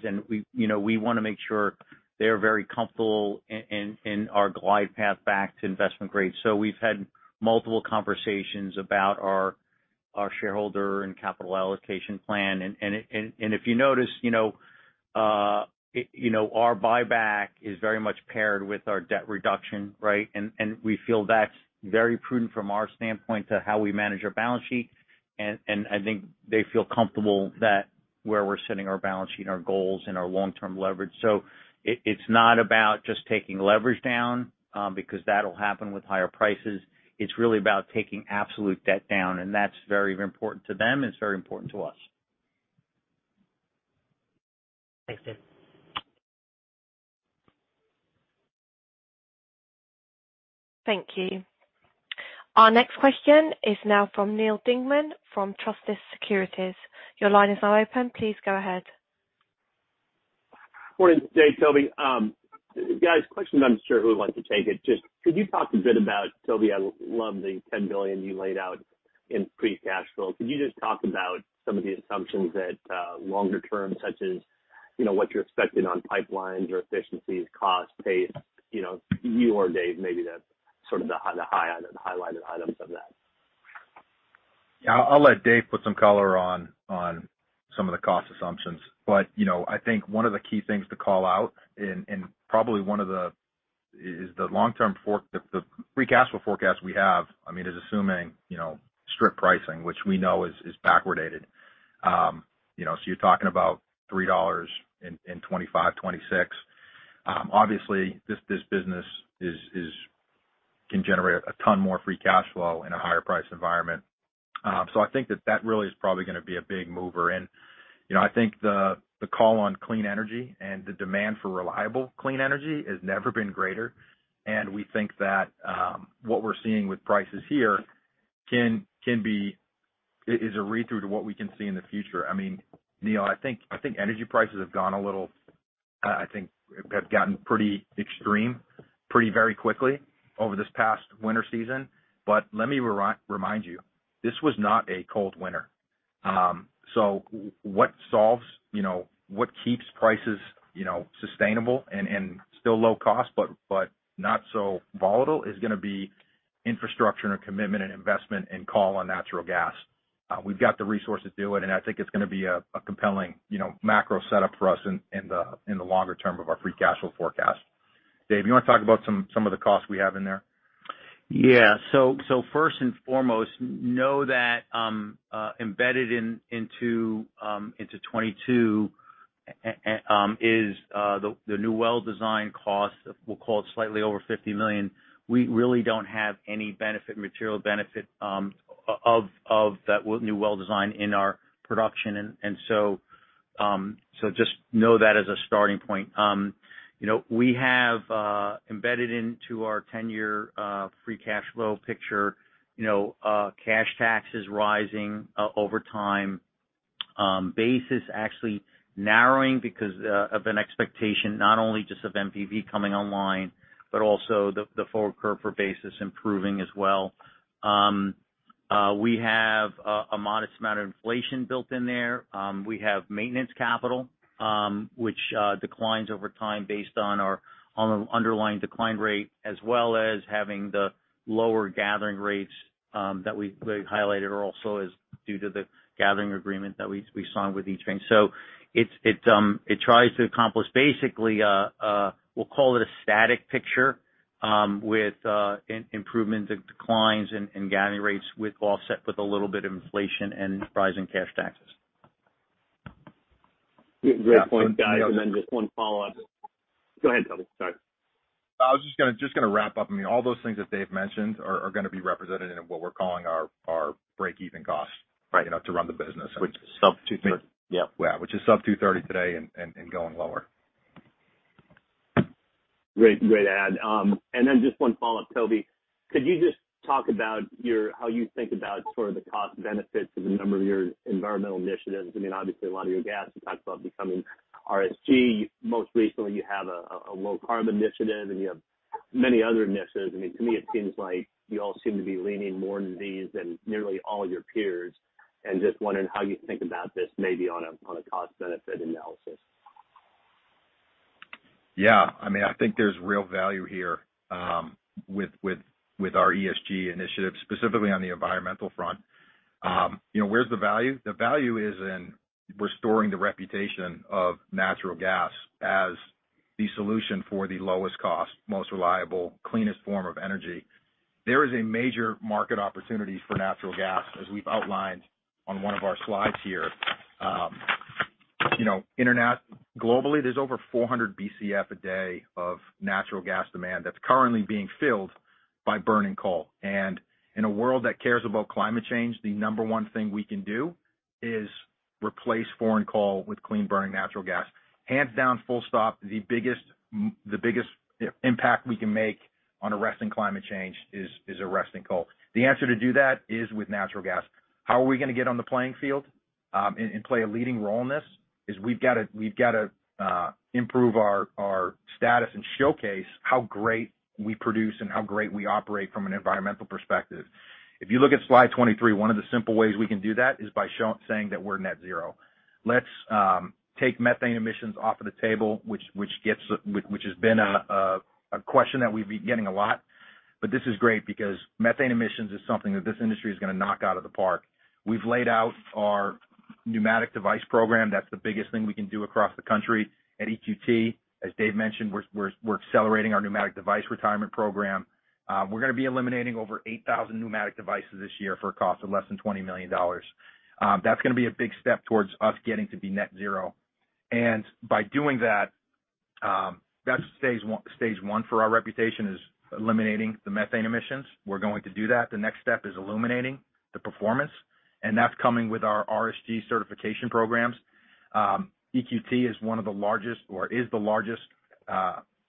You know, we wanna make sure they're very comfortable in our glide path back to investment grade. We've had multiple conversations about our shareholder and capital allocation plan. If you notice, you know, our buyback is very much paired with our debt reduction, right? We feel that's very prudent from our standpoint to how we manage our balance sheet. I think they feel comfortable that where we're sitting our balance sheet and our goals and our long-term leverage. It's not about just taking leverage down, because that'll happen with higher prices. It's really about taking absolute debt down, and that's very important to them, and it's very important to us. Thanks, Dave. Thank you. Our next question is now from Neal Dingmann from Truist Securities. Your line is now open. Please go ahead. Morning, David, Toby. Guys, question, I'm sure who would like to take it. Just could you talk a bit about, Toby, I love the $10 billion you laid out in free cash flow. Could you just talk about some of the assumptions that, longer term, such as, you know, what you're expecting on pipelines or efficiencies, costs, pace, you know, you or David, maybe the sort of high item, the highlighted items of that? Yeah. I'll let David put some color on some of the cost assumptions. You know, I think one of the key things to call out and probably one of the is the long-term free cash flow forecast we have. I mean, is assuming you know strip pricing, which we know is backwardated. You know, so you're talking about $3 in 2025, 2026. Obviously, this business can generate a ton more free cash flow in a higher price environment. I think that really is probably gonna be a big mover. You know, I think the call on clean energy and the demand for reliable clean energy has never been greater. We think that what we're seeing with prices here is a read through to what we can see in the future. I mean, Neil, I think energy prices have gone a little, I think have gotten pretty extreme very quickly over this past winter season. Let me remind you, this was not a cold winter. What solves, you know, what keeps prices, you know, sustainable and still low cost but not so volatile is gonna be infrastructure and a commitment and investment and call on natural gas. We've got the resources to do it, and I think it's gonna be a compelling, you know, macro setup for us in the longer term of our free cash flow forecast. Dave, you wanna talk about some of the costs we have in there? Yeah. First and foremost, know that embedded into 2022 is the new well design cost, we'll call it slightly over $50 million. We really don't have any material benefit of that new well design in our production. Just know that as a starting point. You know, we have embedded into our 10-year free cash flow picture, you know, cash taxes rising over time, basis actually narrowing because of an expectation not only just of MVP coming online, but also the forward curve for basis improving as well. We have a modest amount of inflation built in there. We have maintenance capital, which declines over time based on our underlying decline rate, as well as having the lower gathering rates that we've highlighted are also due to the gathering agreement that we signed with Range Resources. It tries to accomplish basically we'll call it a static picture with improvements in declines and gathering rates offset with a little bit of inflation and rising cash taxes. Great point, guys. Just one follow on. Go ahead, Toby, sorry. I was just gonna wrap up. I mean, all those things that Dave mentioned are gonna be represented in what we're calling our breakeven cost- Right. You know, to run the business. Which sub $2.30. Yep. Yeah. Which is sub $2.30 today and going lower. Great add. Just one follow-up, Toby. Could you just talk about how you think about sort of the cost benefits of a number of your environmental initiatives? I mean, obviously, a lot of your gas, you talked about becoming RSG. Most recently, you have a low carbon initiative, and you have many other initiatives. I mean, to me, it seems like you all seem to be leaning more into these than nearly all your peers. Just wondering how you think about this maybe on a cost-benefit analysis. Yeah. I mean, I think there's real value here, with our ESG initiatives, specifically on the environmental front. You know, where's the value? The value is in restoring the reputation of natural gas as the solution for the lowest cost, most reliable, cleanest form of energy. There is a major market opportunity for natural gas, as we've outlined on one of our slides here. You know, globally, there's over 400 BCF a day of natural gas demand that's currently being filled by burning coal. In a world that cares about climate change, the number one thing we can do is replace foreign coal with clean burning natural gas. Hands down, full stop, the biggest impact we can make on arresting climate change is arresting coal. The answer to do that is with natural gas. How are we gonna get on the playing field and play a leading role in this? We've gotta improve our status and showcase how great we produce and how great we operate from an environmental perspective. If you look at slide 23, one of the simple ways we can do that is by saying that we're net zero. Let's take methane emissions off of the table, which has been a question that we've been getting a lot. This is great because methane emissions is something that this industry is gonna knock out of the park. We've laid out our pneumatic device program. That's the biggest thing we can do across the country at EQT. As Dave mentioned, we're accelerating our pneumatic device retirement program. We're gonna be eliminating over 8,000 pneumatic devices this year for a cost of less than $20 million. That's gonna be a big step towards us getting to be net zero. By doing that's stage one for our reputation is eliminating the methane emissions. We're going to do that. The next step is illuminating the performance, and that's coming with our RSG certification programs. EQT is one of the largest or is the largest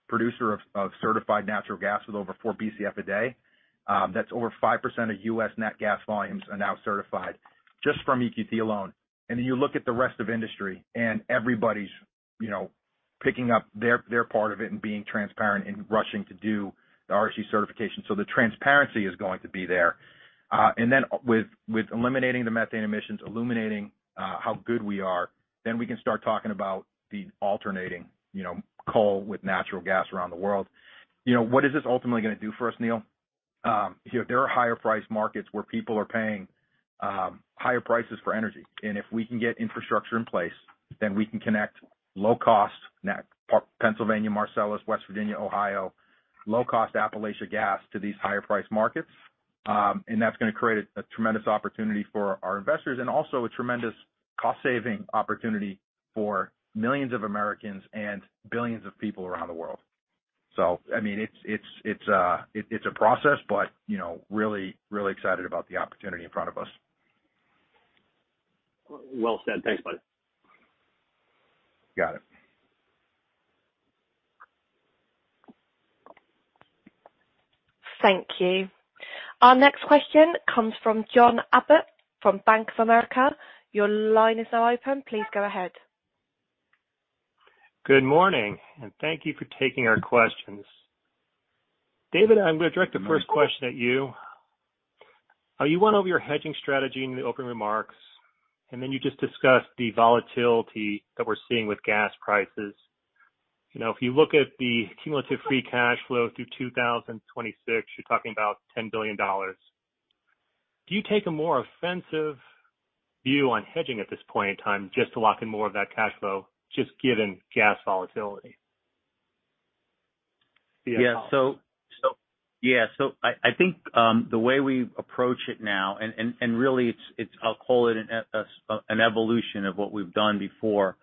producer of certified natural gas with over 4 BCF a day. That's over 5% of U.S. net gas volumes are now certified just from EQT alone. Then you look at the rest of industry and everybody's, you know, picking up their part of it and being transparent and rushing to do the RSG certification. The transparency is going to be there, with eliminating the methane emissions, illuminating how good we are, then we can start talking about the alternative, you know, coal with natural gas around the world. You know, what is this ultimately gonna do for us, Neil? You know, there are higher-priced markets where people are paying higher prices for energy. If we can get infrastructure in place, then we can connect low-cost natural, Pennsylvania, Marcellus, West Virginia, Ohio, low-cost Appalachia gas to these higher-priced markets. That's gonna create a tremendous opportunity for our investors and also a tremendous cost-saving opportunity for millions of Americans and billions of people around the world. I mean, it's a process, but you know, really, really excited about the opportunity in front of us. Well said. Thanks, buddy. Got it. Thank you. Our next question comes from John Abbott from Bank of America. Your line is now open. Please go ahead. Good morning, and thank you for taking our questions. David, I'm gonna direct the first question at you. You went over your hedging strategy in the opening remarks, and then you just discussed the volatility that we're seeing with gas prices. You know, if you look at the cumulative free cash flow through 2026, you're talking about $10 billion. Do you take a more offensive view on hedging at this point in time just to lock in more of that cash flow just given gas volatility? I think the way we approach it now and really it's I'll call it an evolution of what we've done before.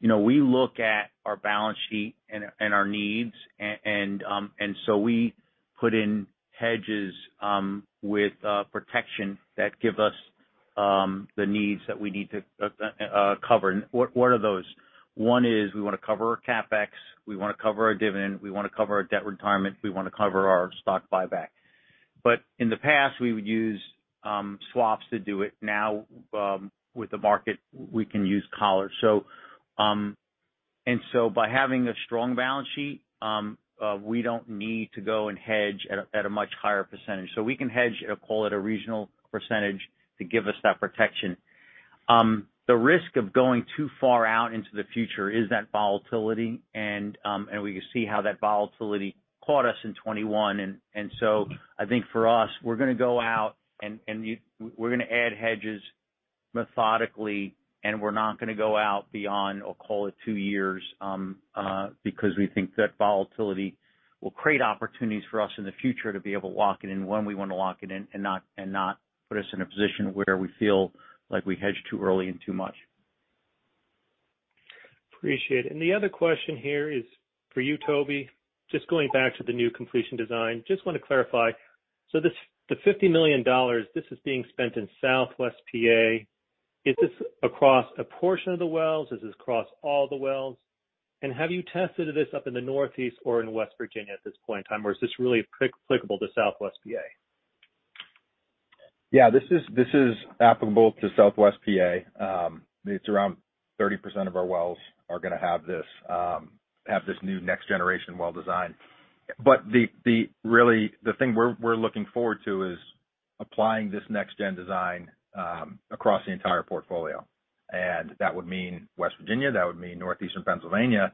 You know, we look at our balance sheet and our needs. We put in hedges with protection that give us the needs that we need to cover. What are those? One is we wanna cover our CapEx, we wanna cover our dividend, we wanna cover our debt retirement, we wanna cover our stock buyback. In the past, we would use swaps to do it. Now, with the market, we can use collars. By having a strong balance sheet, we don't need to go and hedge at a much higher percentage. We can hedge at, call it, a regional percentage to give us that protection. The risk of going too far out into the future is that volatility and we can see how that volatility caught us in 2021. I think for us, we're gonna go out and we're gonna add hedges methodically, and we're not gonna go out beyond, or call it, two years, because we think that volatility will create opportunities for us in the future to be able to lock it in when we wanna lock it in and not put us in a position where we feel like we hedged too early and too much. Appreciate it. The other question here is for you, Toby. Just going back to the new completion design. Just wanna clarify. So this, the $50 million, this is being spent in Southwest PA. Is this across a portion of the wells? Is this across all the wells? Have you tested this up in the Northeast or in West Virginia at this point in time? Or is this really applicable to Southwest PA? Yeah, this is applicable to Southwest PA. It's around 30% of our wells are gonna have this new next gen well design. But the thing we're looking forward to is applying this next gen design across the entire portfolio. That would mean West Virginia, that would mean Northeastern Pennsylvania.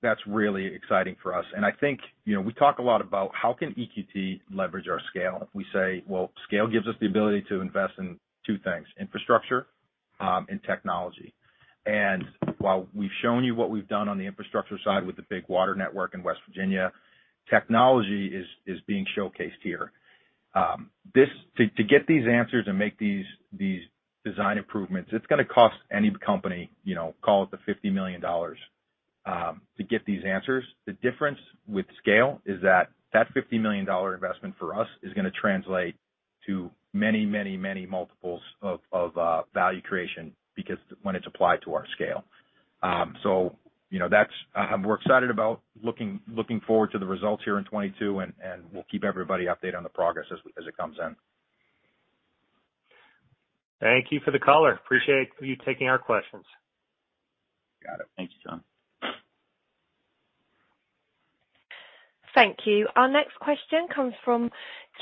That's really exciting for us. I think, you know, we talk a lot about how EQT can leverage our scale. We say, well, scale gives us the ability to invest in two things: infrastructure and technology. While we've shown you what we've done on the infrastructure side with the big water network in West Virginia, technology is being showcased here. To get these answers and make these design improvements, it's gonna cost any company, you know, call it $50 million to get these answers. The difference with scale is that $50 million dollar investment for us is gonna translate to many multiples of value creation because when it's applied to our scale. You know, that's. We're excited about looking forward to the results here in 2022, and we'll keep everybody updated on the progress as it comes in. Thank you for the color. Appreciate you taking our questions. Got it. Thank you, John. Thank you. Our next question comes from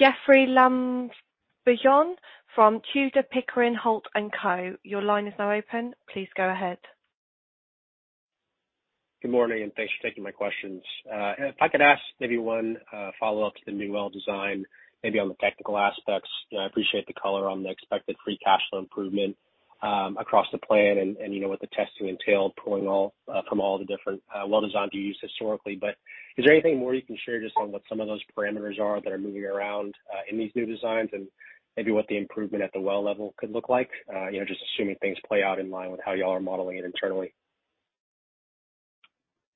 Jeoffrey Lambujon from Tudor, Pickering, Holt & Co. Your line is now open. Please go ahead. Good morning, and thanks for taking my questions. If I could ask maybe one follow-up to the new well design, maybe on the technical aspects. I appreciate the color on the expected free cash flow improvement across the plan and, you know, what the testing entailed, pulling all from all the different well design you've used historically. But is there anything more you can share just on what some of those parameters are that are moving around in these new designs and maybe what the improvement at the well level could look like? You know, just assuming things play out in line with how y'all are modeling it internally.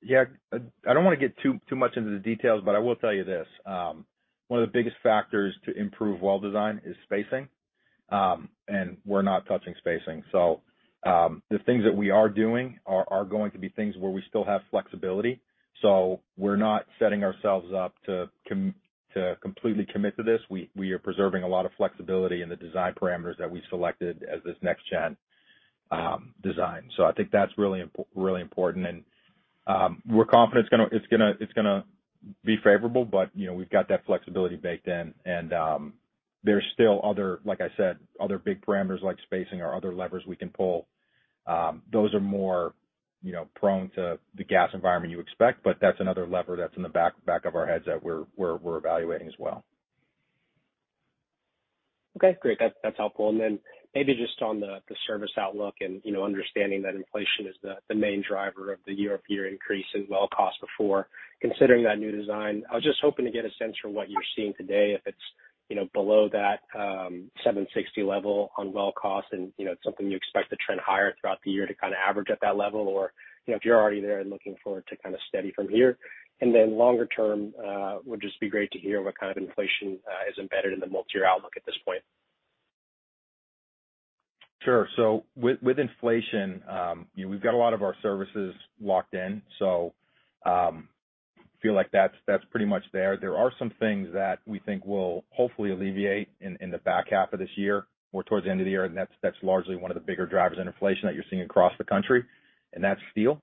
Yeah. I don't wanna get too much into the details, but I will tell you this. One of the biggest factors to improve well design is spacing, and we're not touching spacing. The things that we are doing are going to be things where we still have flexibility. We're not setting ourselves up to completely commit to this. We are preserving a lot of flexibility in the design parameters that we selected as this next gen design. I think that's really important. We're confident it's gonna be favorable, but you know, we've got that flexibility baked in. There's still other, like I said, other big parameters like spacing or other levers we can pull. Those are more, you know, prone to the gas environment you expect, but that's another lever that's in the back of our heads that we're evaluating as well. Okay, great. That's helpful. Maybe just on the service outlook and, you know, understanding that inflation is the main driver of the year-over-year increase in well cost before considering that new design. I was just hoping to get a sense from what you're seeing today, if it's, you know, below that $760 level on well cost and, you know, it's something you expect to trend higher throughout the year to kinda average at that level. Or, you know, if you're already there and looking forward to kinda steady from here. Longer term, would just be great to hear what kind of inflation is embedded in the multi-year outlook at this point. Sure. With inflation, you know, we've got a lot of our services locked in, so feel like that's pretty much there. There are some things that we think will hopefully alleviate in the back half of this year or towards the end of the year. That's largely one of the bigger drivers in inflation that you're seeing across the country, and that's steel.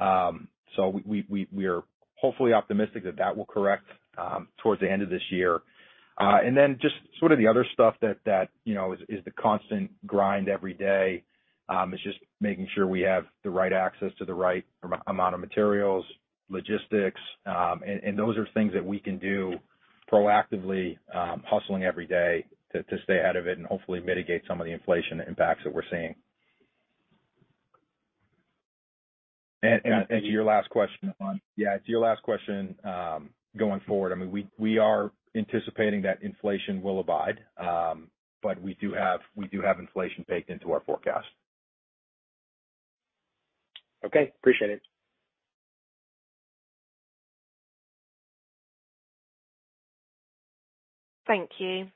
We are hopefully optimistic that that will correct towards the end of this year. Just sort of the other stuff that you know is the constant grind every day is just making sure we have the right access to the right amount of materials, logistics. Those are things that we can do proactively, hustling every day to stay ahead of it and hopefully mitigate some of the inflation impacts that we're seeing. To your last question, yeah, going forward, I mean, we are anticipating that inflation will abide. We do have inflation baked into our forecast. Okay. Appreciate it. Thank you.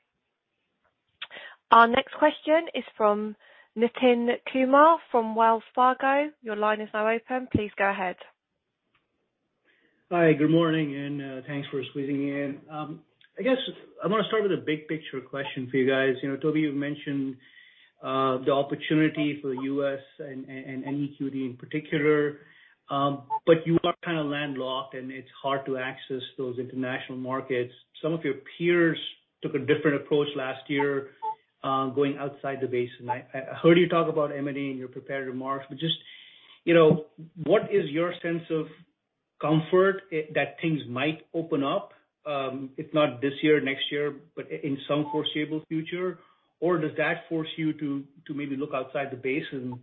Our next question is from Nitin Kumar from Wells Fargo. Your line is now open. Please go ahead. Hi, good morning, and thanks for squeezing me in. I guess I wanna start with a big picture question for you guys. You know, Toby, you've mentioned the opportunity for US and EQT in particular. But you are kinda landlocked, and it's hard to access those international markets. Some of your peers took a different approach last year, going outside the basin. I heard you talk about M&A in your prepared remarks, but just, you know, what is your sense of comfort that things might open up, if not this year, next year, but in some foreseeable future? Or does that force you to maybe look outside the basin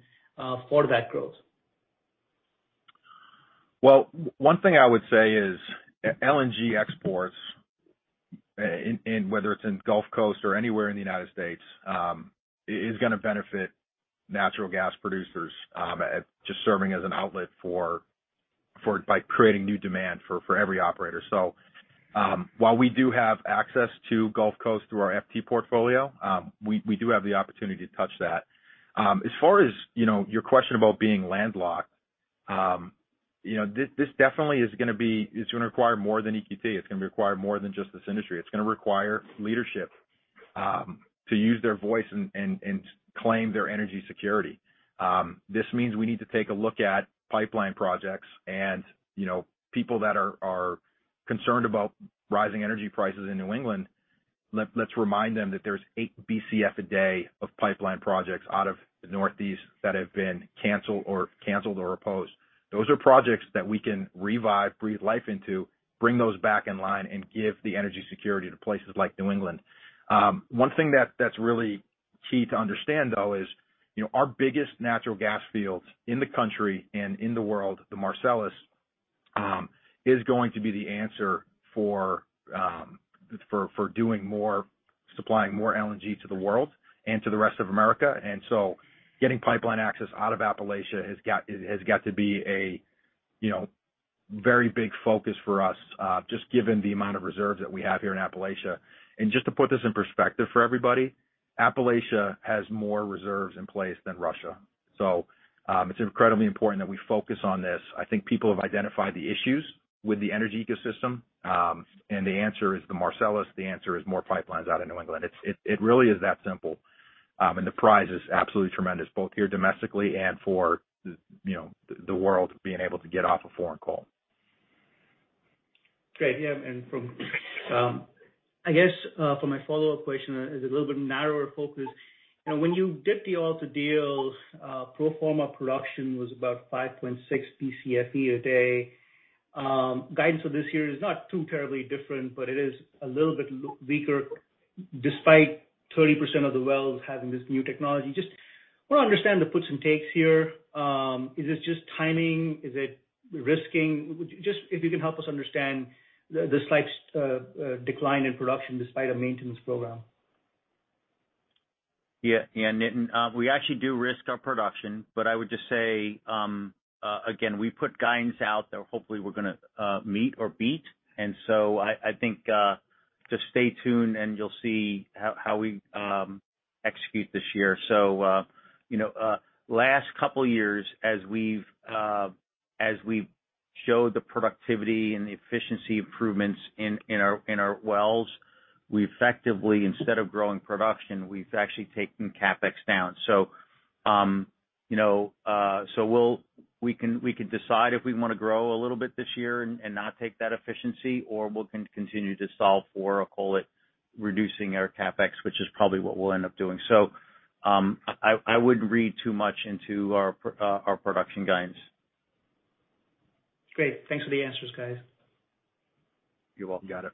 for that growth? Well, one thing I would say is LNG exports whether it's in Gulf Coast or anywhere in the United States is gonna benefit natural gas producers just serving as an outlet by creating new demand for every operator. While we do have access to Gulf Coast through our FT portfolio, we do have the opportunity to touch that. As far as, you know, your question about being landlocked, you know, this definitely is gonna be. It's gonna require more than EQT. It's gonna require more than just this industry. It's gonna require leadership to use their voice and claim their energy security. This means we need to take a look at pipeline projects and, you know, people that are concerned about rising energy prices in New England. Let's remind them that there's 8 BCF a day of pipeline projects out of the Northeast that have been canceled or opposed. Those are projects that we can revive, breathe life into, bring those back in line, and give the energy security to places like New England. One thing that's really key to understand, though, is, you know, our biggest natural gas fields in the country and in the world, the Marcellus, is going to be the answer for doing more, supplying more LNG to the world and to the rest of America. Getting pipeline access out of Appalachia has got to be a, you know, very big focus for us, just given the amount of reserves that we have here in Appalachia. Just to put this in perspective for everybody, Appalachia has more reserves in place than Russia. It's incredibly important that we focus on this. I think people have identified the issues with the energy ecosystem. The answer is the Marcellus. The answer is more pipelines out of New England. It really is that simple. The prize is absolutely tremendous, both here domestically and for you know, the world being able to get off of foreign coal. Great. Yeah, from, I guess, for my follow-up question is a little bit narrower focus. You know, when you did the Alta deals, pro forma production was about 5.6 Bcfe a day. Guidance for this year is not too terribly different, but it is a little bit weaker despite 30% of the wells having this new technology. Just wanna understand the puts and takes here. Is this just timing? Is it risking? Just if you can help us understand the slight decline in production despite a maintenance program. Yeah. Yeah, Nitin, we actually do hedge our production, but I would just say, again, we put guidance out that hopefully we're gonna meet or beat. I think just stay tuned and you'll see how we execute this year. You know, last couple years as we've showed the productivity and the efficiency improvements in our wells, we effectively, instead of growing production, we've actually taken CapEx down. You know, we can decide if we wanna grow a little bit this year and not take that efficiency, or we'll continue to solve for, or call it, reducing our CapEx, which is probably what we'll end up doing. I wouldn't read too much into our production guidance. Great. Thanks for the answers, guys. You're welcome. Got it.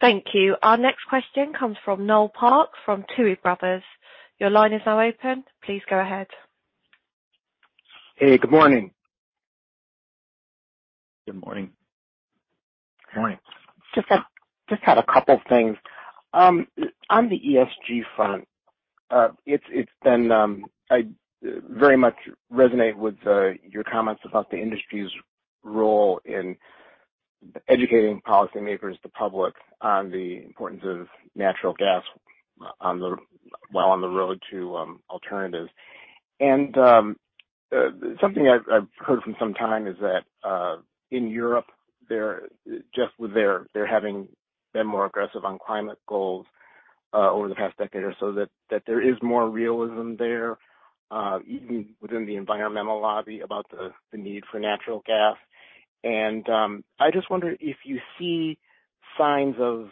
Thank you. Our next question comes from Noel Parks from Tuohy Brothers. Your line is now open. Please go ahead. Hey, good morning. Good morning. Morning. Just had a couple things. On the ESG front, I very much resonate with your comments about the industry's role in educating policymakers, the public on the importance of natural gas while on the road to alternatives. Something I've heard for some time is that in Europe, they have been more aggressive on climate goals over the past decade or so, that there is more realism there, even within the environmental lobby about the need for natural gas. I just wonder if you see signs of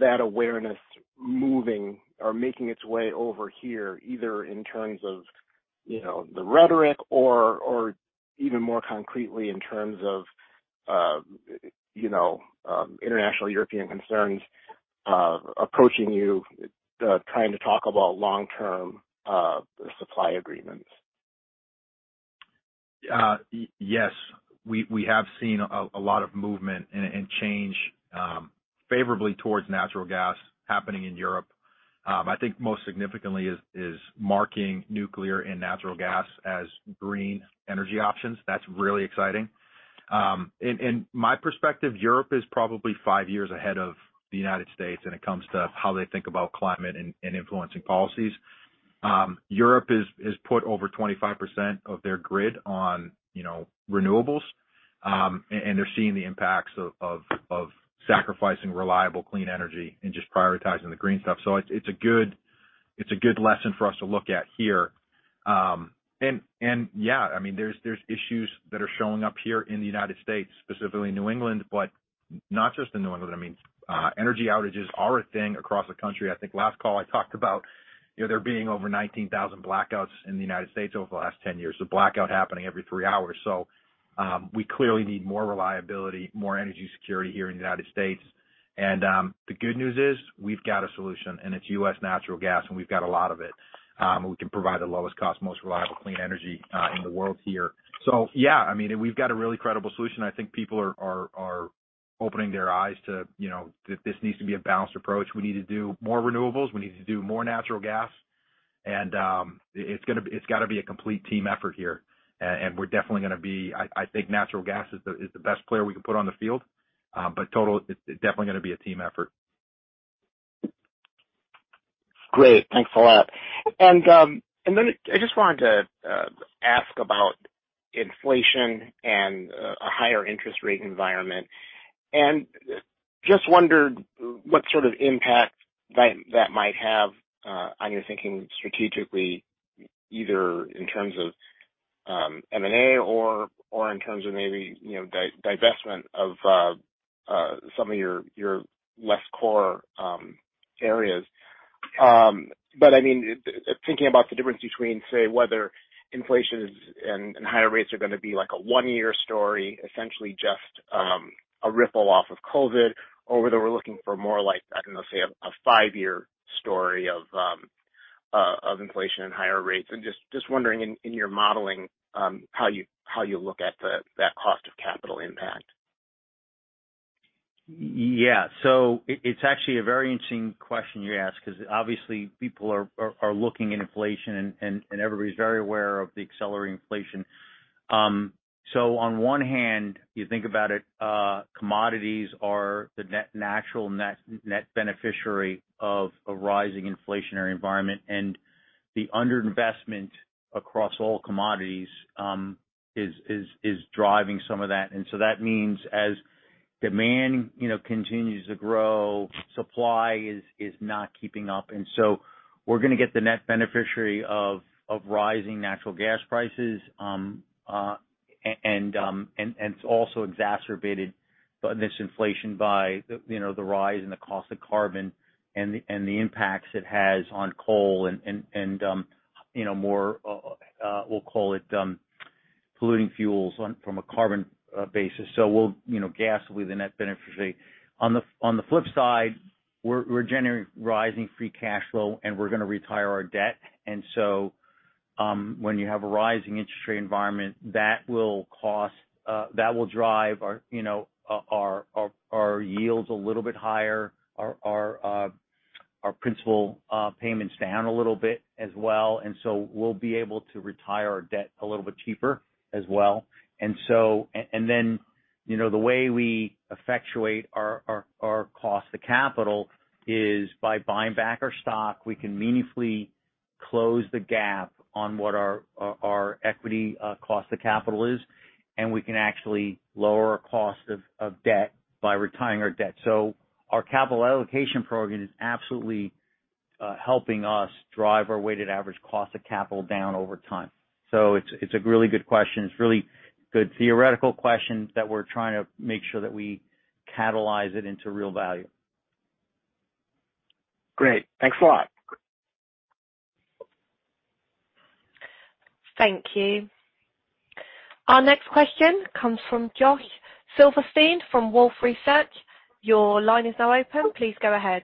that awareness moving or making its way over here, either in terms of, you know, the rhetoric or even more concretely in terms of, you know, international European concerns approaching you, trying to talk about long-term supply agreements. Yes. We have seen a lot of movement and change, favorably towards natural gas happening in Europe. I think most significantly is marking nuclear and natural gas as green energy options. That's really exciting. In my perspective, Europe is probably five years ahead of the United States when it comes to how they think about climate and influencing policies. Europe has put over 25% of their grid on, you know, renewables, and they're seeing the impacts of sacrificing reliable, clean energy and just prioritizing the green stuff. It's a good lesson for us to look at here. Yeah, I mean, there's issues that are showing up here in the United States, specifically New England, but not just in New England. I mean, energy outages are a thing across the country. I think last call I talked about, you know, there being over 19,000 blackouts in the United States over the last 10 years. A blackout happening every 3 hours. We clearly need more reliability, more energy security here in the United States. The good news is we've got a solution, and it's U.S. natural gas, and we've got a lot of it. We can provide the lowest cost, most reliable clean energy in the world here. Yeah, I mean, we've got a really credible solution. I think people are opening their eyes to, you know, that this needs to be a balanced approach. We need to do more renewables. We need to do more natural gas. It's gotta be a complete team effort here. I think natural gas is the best player we can put on the field. Total, it's definitely gonna be a team effort. Great. Thanks a lot. I just wanted to ask about inflation and a higher interest rate environment. I just wondered what sort of impact that might have on your thinking strategically, either in terms of M&A or in terms of maybe, you know, divestment of some of your less core areas. I mean, thinking about the difference between, say, whether inflation is and higher rates are gonna be like a one-year story, essentially just a ripple off of COVID, or whether we're looking for more like, I don't know, say a five-year story of inflation and higher rates. I just wondering in your modeling how you look at that cost of capital impact. It's actually a very interesting question you ask because obviously people are looking at inflation and everybody's very aware of the accelerating inflation. On one hand, you think about it, commodities are the natural net beneficiary of a rising inflationary environment. The underinvestment across all commodities is driving some of that. That means as demand you know continues to grow, supply is not keeping up. We're gonna get the net beneficiary of rising natural gas prices, and it's also exacerbated by this inflation by the you know the rise in the cost of carbon and the impacts it has on coal and you know more we'll call it polluting fuels from a carbon basis. We'll, you know, gas will be the net beneficiary. On the flip side, we're generating rising free cash flow, and we're gonna retire our debt. When you have a rising interest rate environment, that will drive our, you know, our yields a little bit higher, our principal payments down a little bit as well. We'll be able to retire our debt a little bit cheaper as well. Then, you know, the way we effectuate our cost to capital is by buying back our stock. We can meaningfully close the gap on what our equity cost to capital is, and we can actually lower our cost of debt by retiring our debt. Our capital allocation program is absolutely helping us drive our weighted average cost of capital down over time. It's a really good question. It's a really good theoretical question that we're trying to make sure that we catalyze it into real value. Great. Thanks a lot. Thank you. Our next question comes from Josh Silverstein from Wolfe Research. Your line is now open. Please go ahead.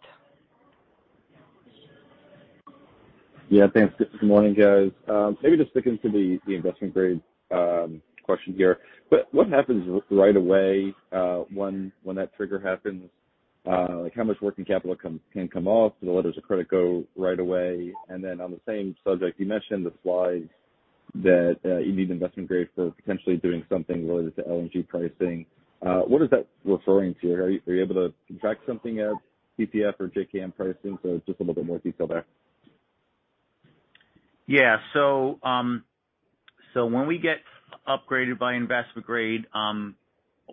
Yeah, thanks. Good morning, guys. Maybe just sticking to the investment grade question here. What happens right away when that trigger happens? Like how much working capital can come off? Do the letters of credit go right away? Then on the same subject, you mentioned the slides that you need investment grade for potentially doing something related to LNG pricing. What is that referring to? Are you able to contract something at JCC or JKM pricing? Just a little bit more detail there. Yeah. When we get upgraded to investment grade,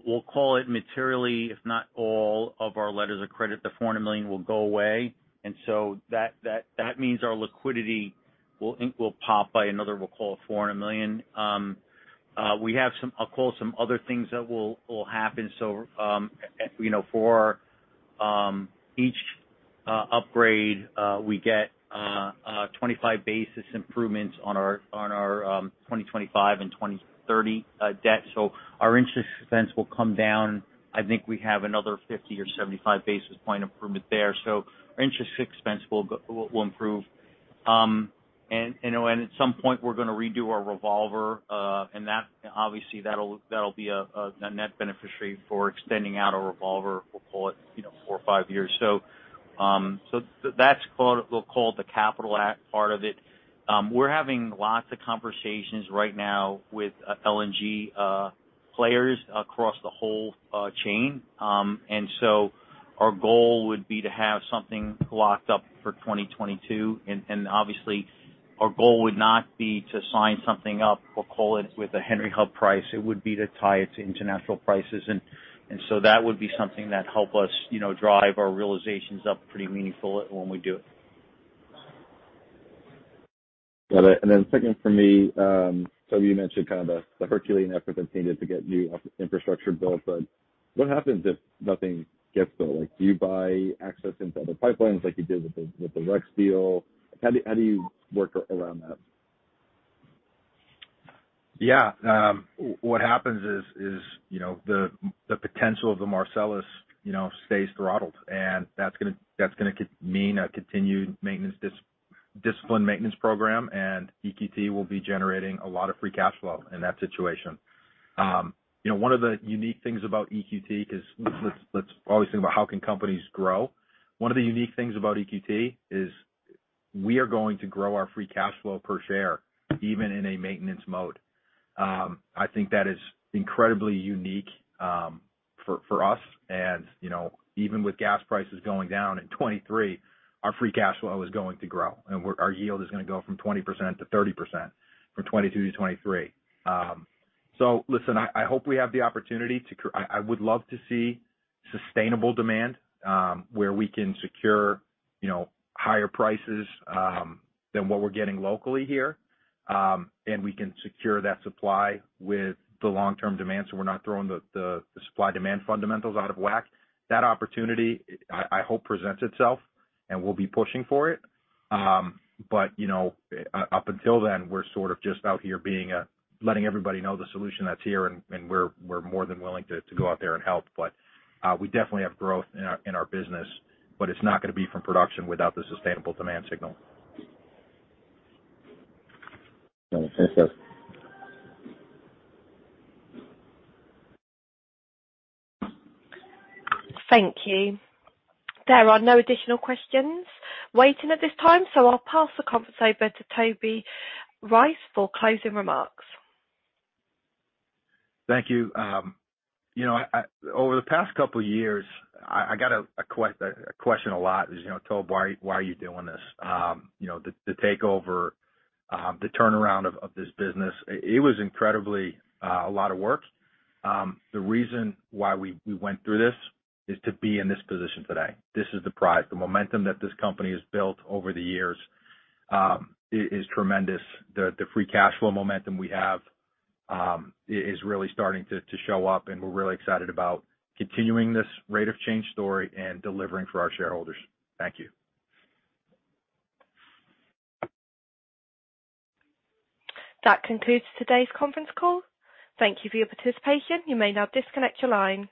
we'll call it materially, if not all of our letters of credit, the $400 million will go away. That means our liquidity will pop by another, we'll call it $400 million. We have some—I'll call some other things that will happen. You know, for each upgrade, we get 25 basis point improvements on our 2025 and 2030 debt. Our interest expense will come down. I think we have another 50 or 75 basis point improvement there. Our interest expense will improve. At some point we're gonna redo our revolver, and that obviously that'll be a net benefit for extending out a revolver. We'll call it, you know, 4 or 5 years. That's called, we'll call it the capital part of it. We're having lots of conversations right now with LNG players across the whole chain. Our goal would be to have something locked up for 2022, and obviously our goal would not be to sign something up, we'll call it with a Henry Hub price. It would be to tie it to international prices. That would be something that help us, you know, drive our realizations up pretty meaningfully when we do it. Got it. Second for me, so you mentioned kind of the Herculean effort that's needed to get new infrastructure built, but what happens if nothing gets built? Like, do you buy access into other pipelines like you did with the REX deal? How do you work around that? Yeah. What happens is, you know, the potential of the Marcellus, you know, stays throttled. That's gonna mean a continued maintenance discipline program, and EQT will be generating a lot of free cash flow in that situation. You know, one of the unique things about EQT, 'cause let's always think about how can companies grow. One of the unique things about EQT is we are going to grow our free cash flow per share even in a maintenance mode. I think that is incredibly unique for us. You know, even with gas prices going down in 2023, our free cash flow is going to grow, and our yield is gonna go from 20% to 30% from 2022 to 2023. Listen, I hope we have the opportunity. I would love to see sustainable demand where we can secure, you know, higher prices than what we're getting locally here. We can secure that supply with the long-term demand, so we're not throwing the supply demand fundamentals out of whack. That opportunity I hope presents itself, and we'll be pushing for it. You know, up until then, we're sort of just out here letting everybody know the solution that's here, and we're more than willing to go out there and help. We definitely have growth in our business, but it's not gonna be from production without the sustainable demand signal. Got it. Thanks guys. Thank you. There are no additional questions waiting at this time, so I'll pass the conference over to Toby Rice for closing remarks. Thank you. You know, I over the past couple years, I got a question a lot is, you know, "Toby, why are you doing this?" You know, the takeover, the turnaround of this business, it was incredibly a lot of work. The reason why we went through this is to be in this position today. This is the prize. The momentum that this company has built over the years is tremendous. The free cash flow momentum we have is really starting to show up, and we're really excited about continuing this rate of change story and delivering for our shareholders. Thank you. That concludes today's conference call. Thank you for your participation. You may now disconnect your line.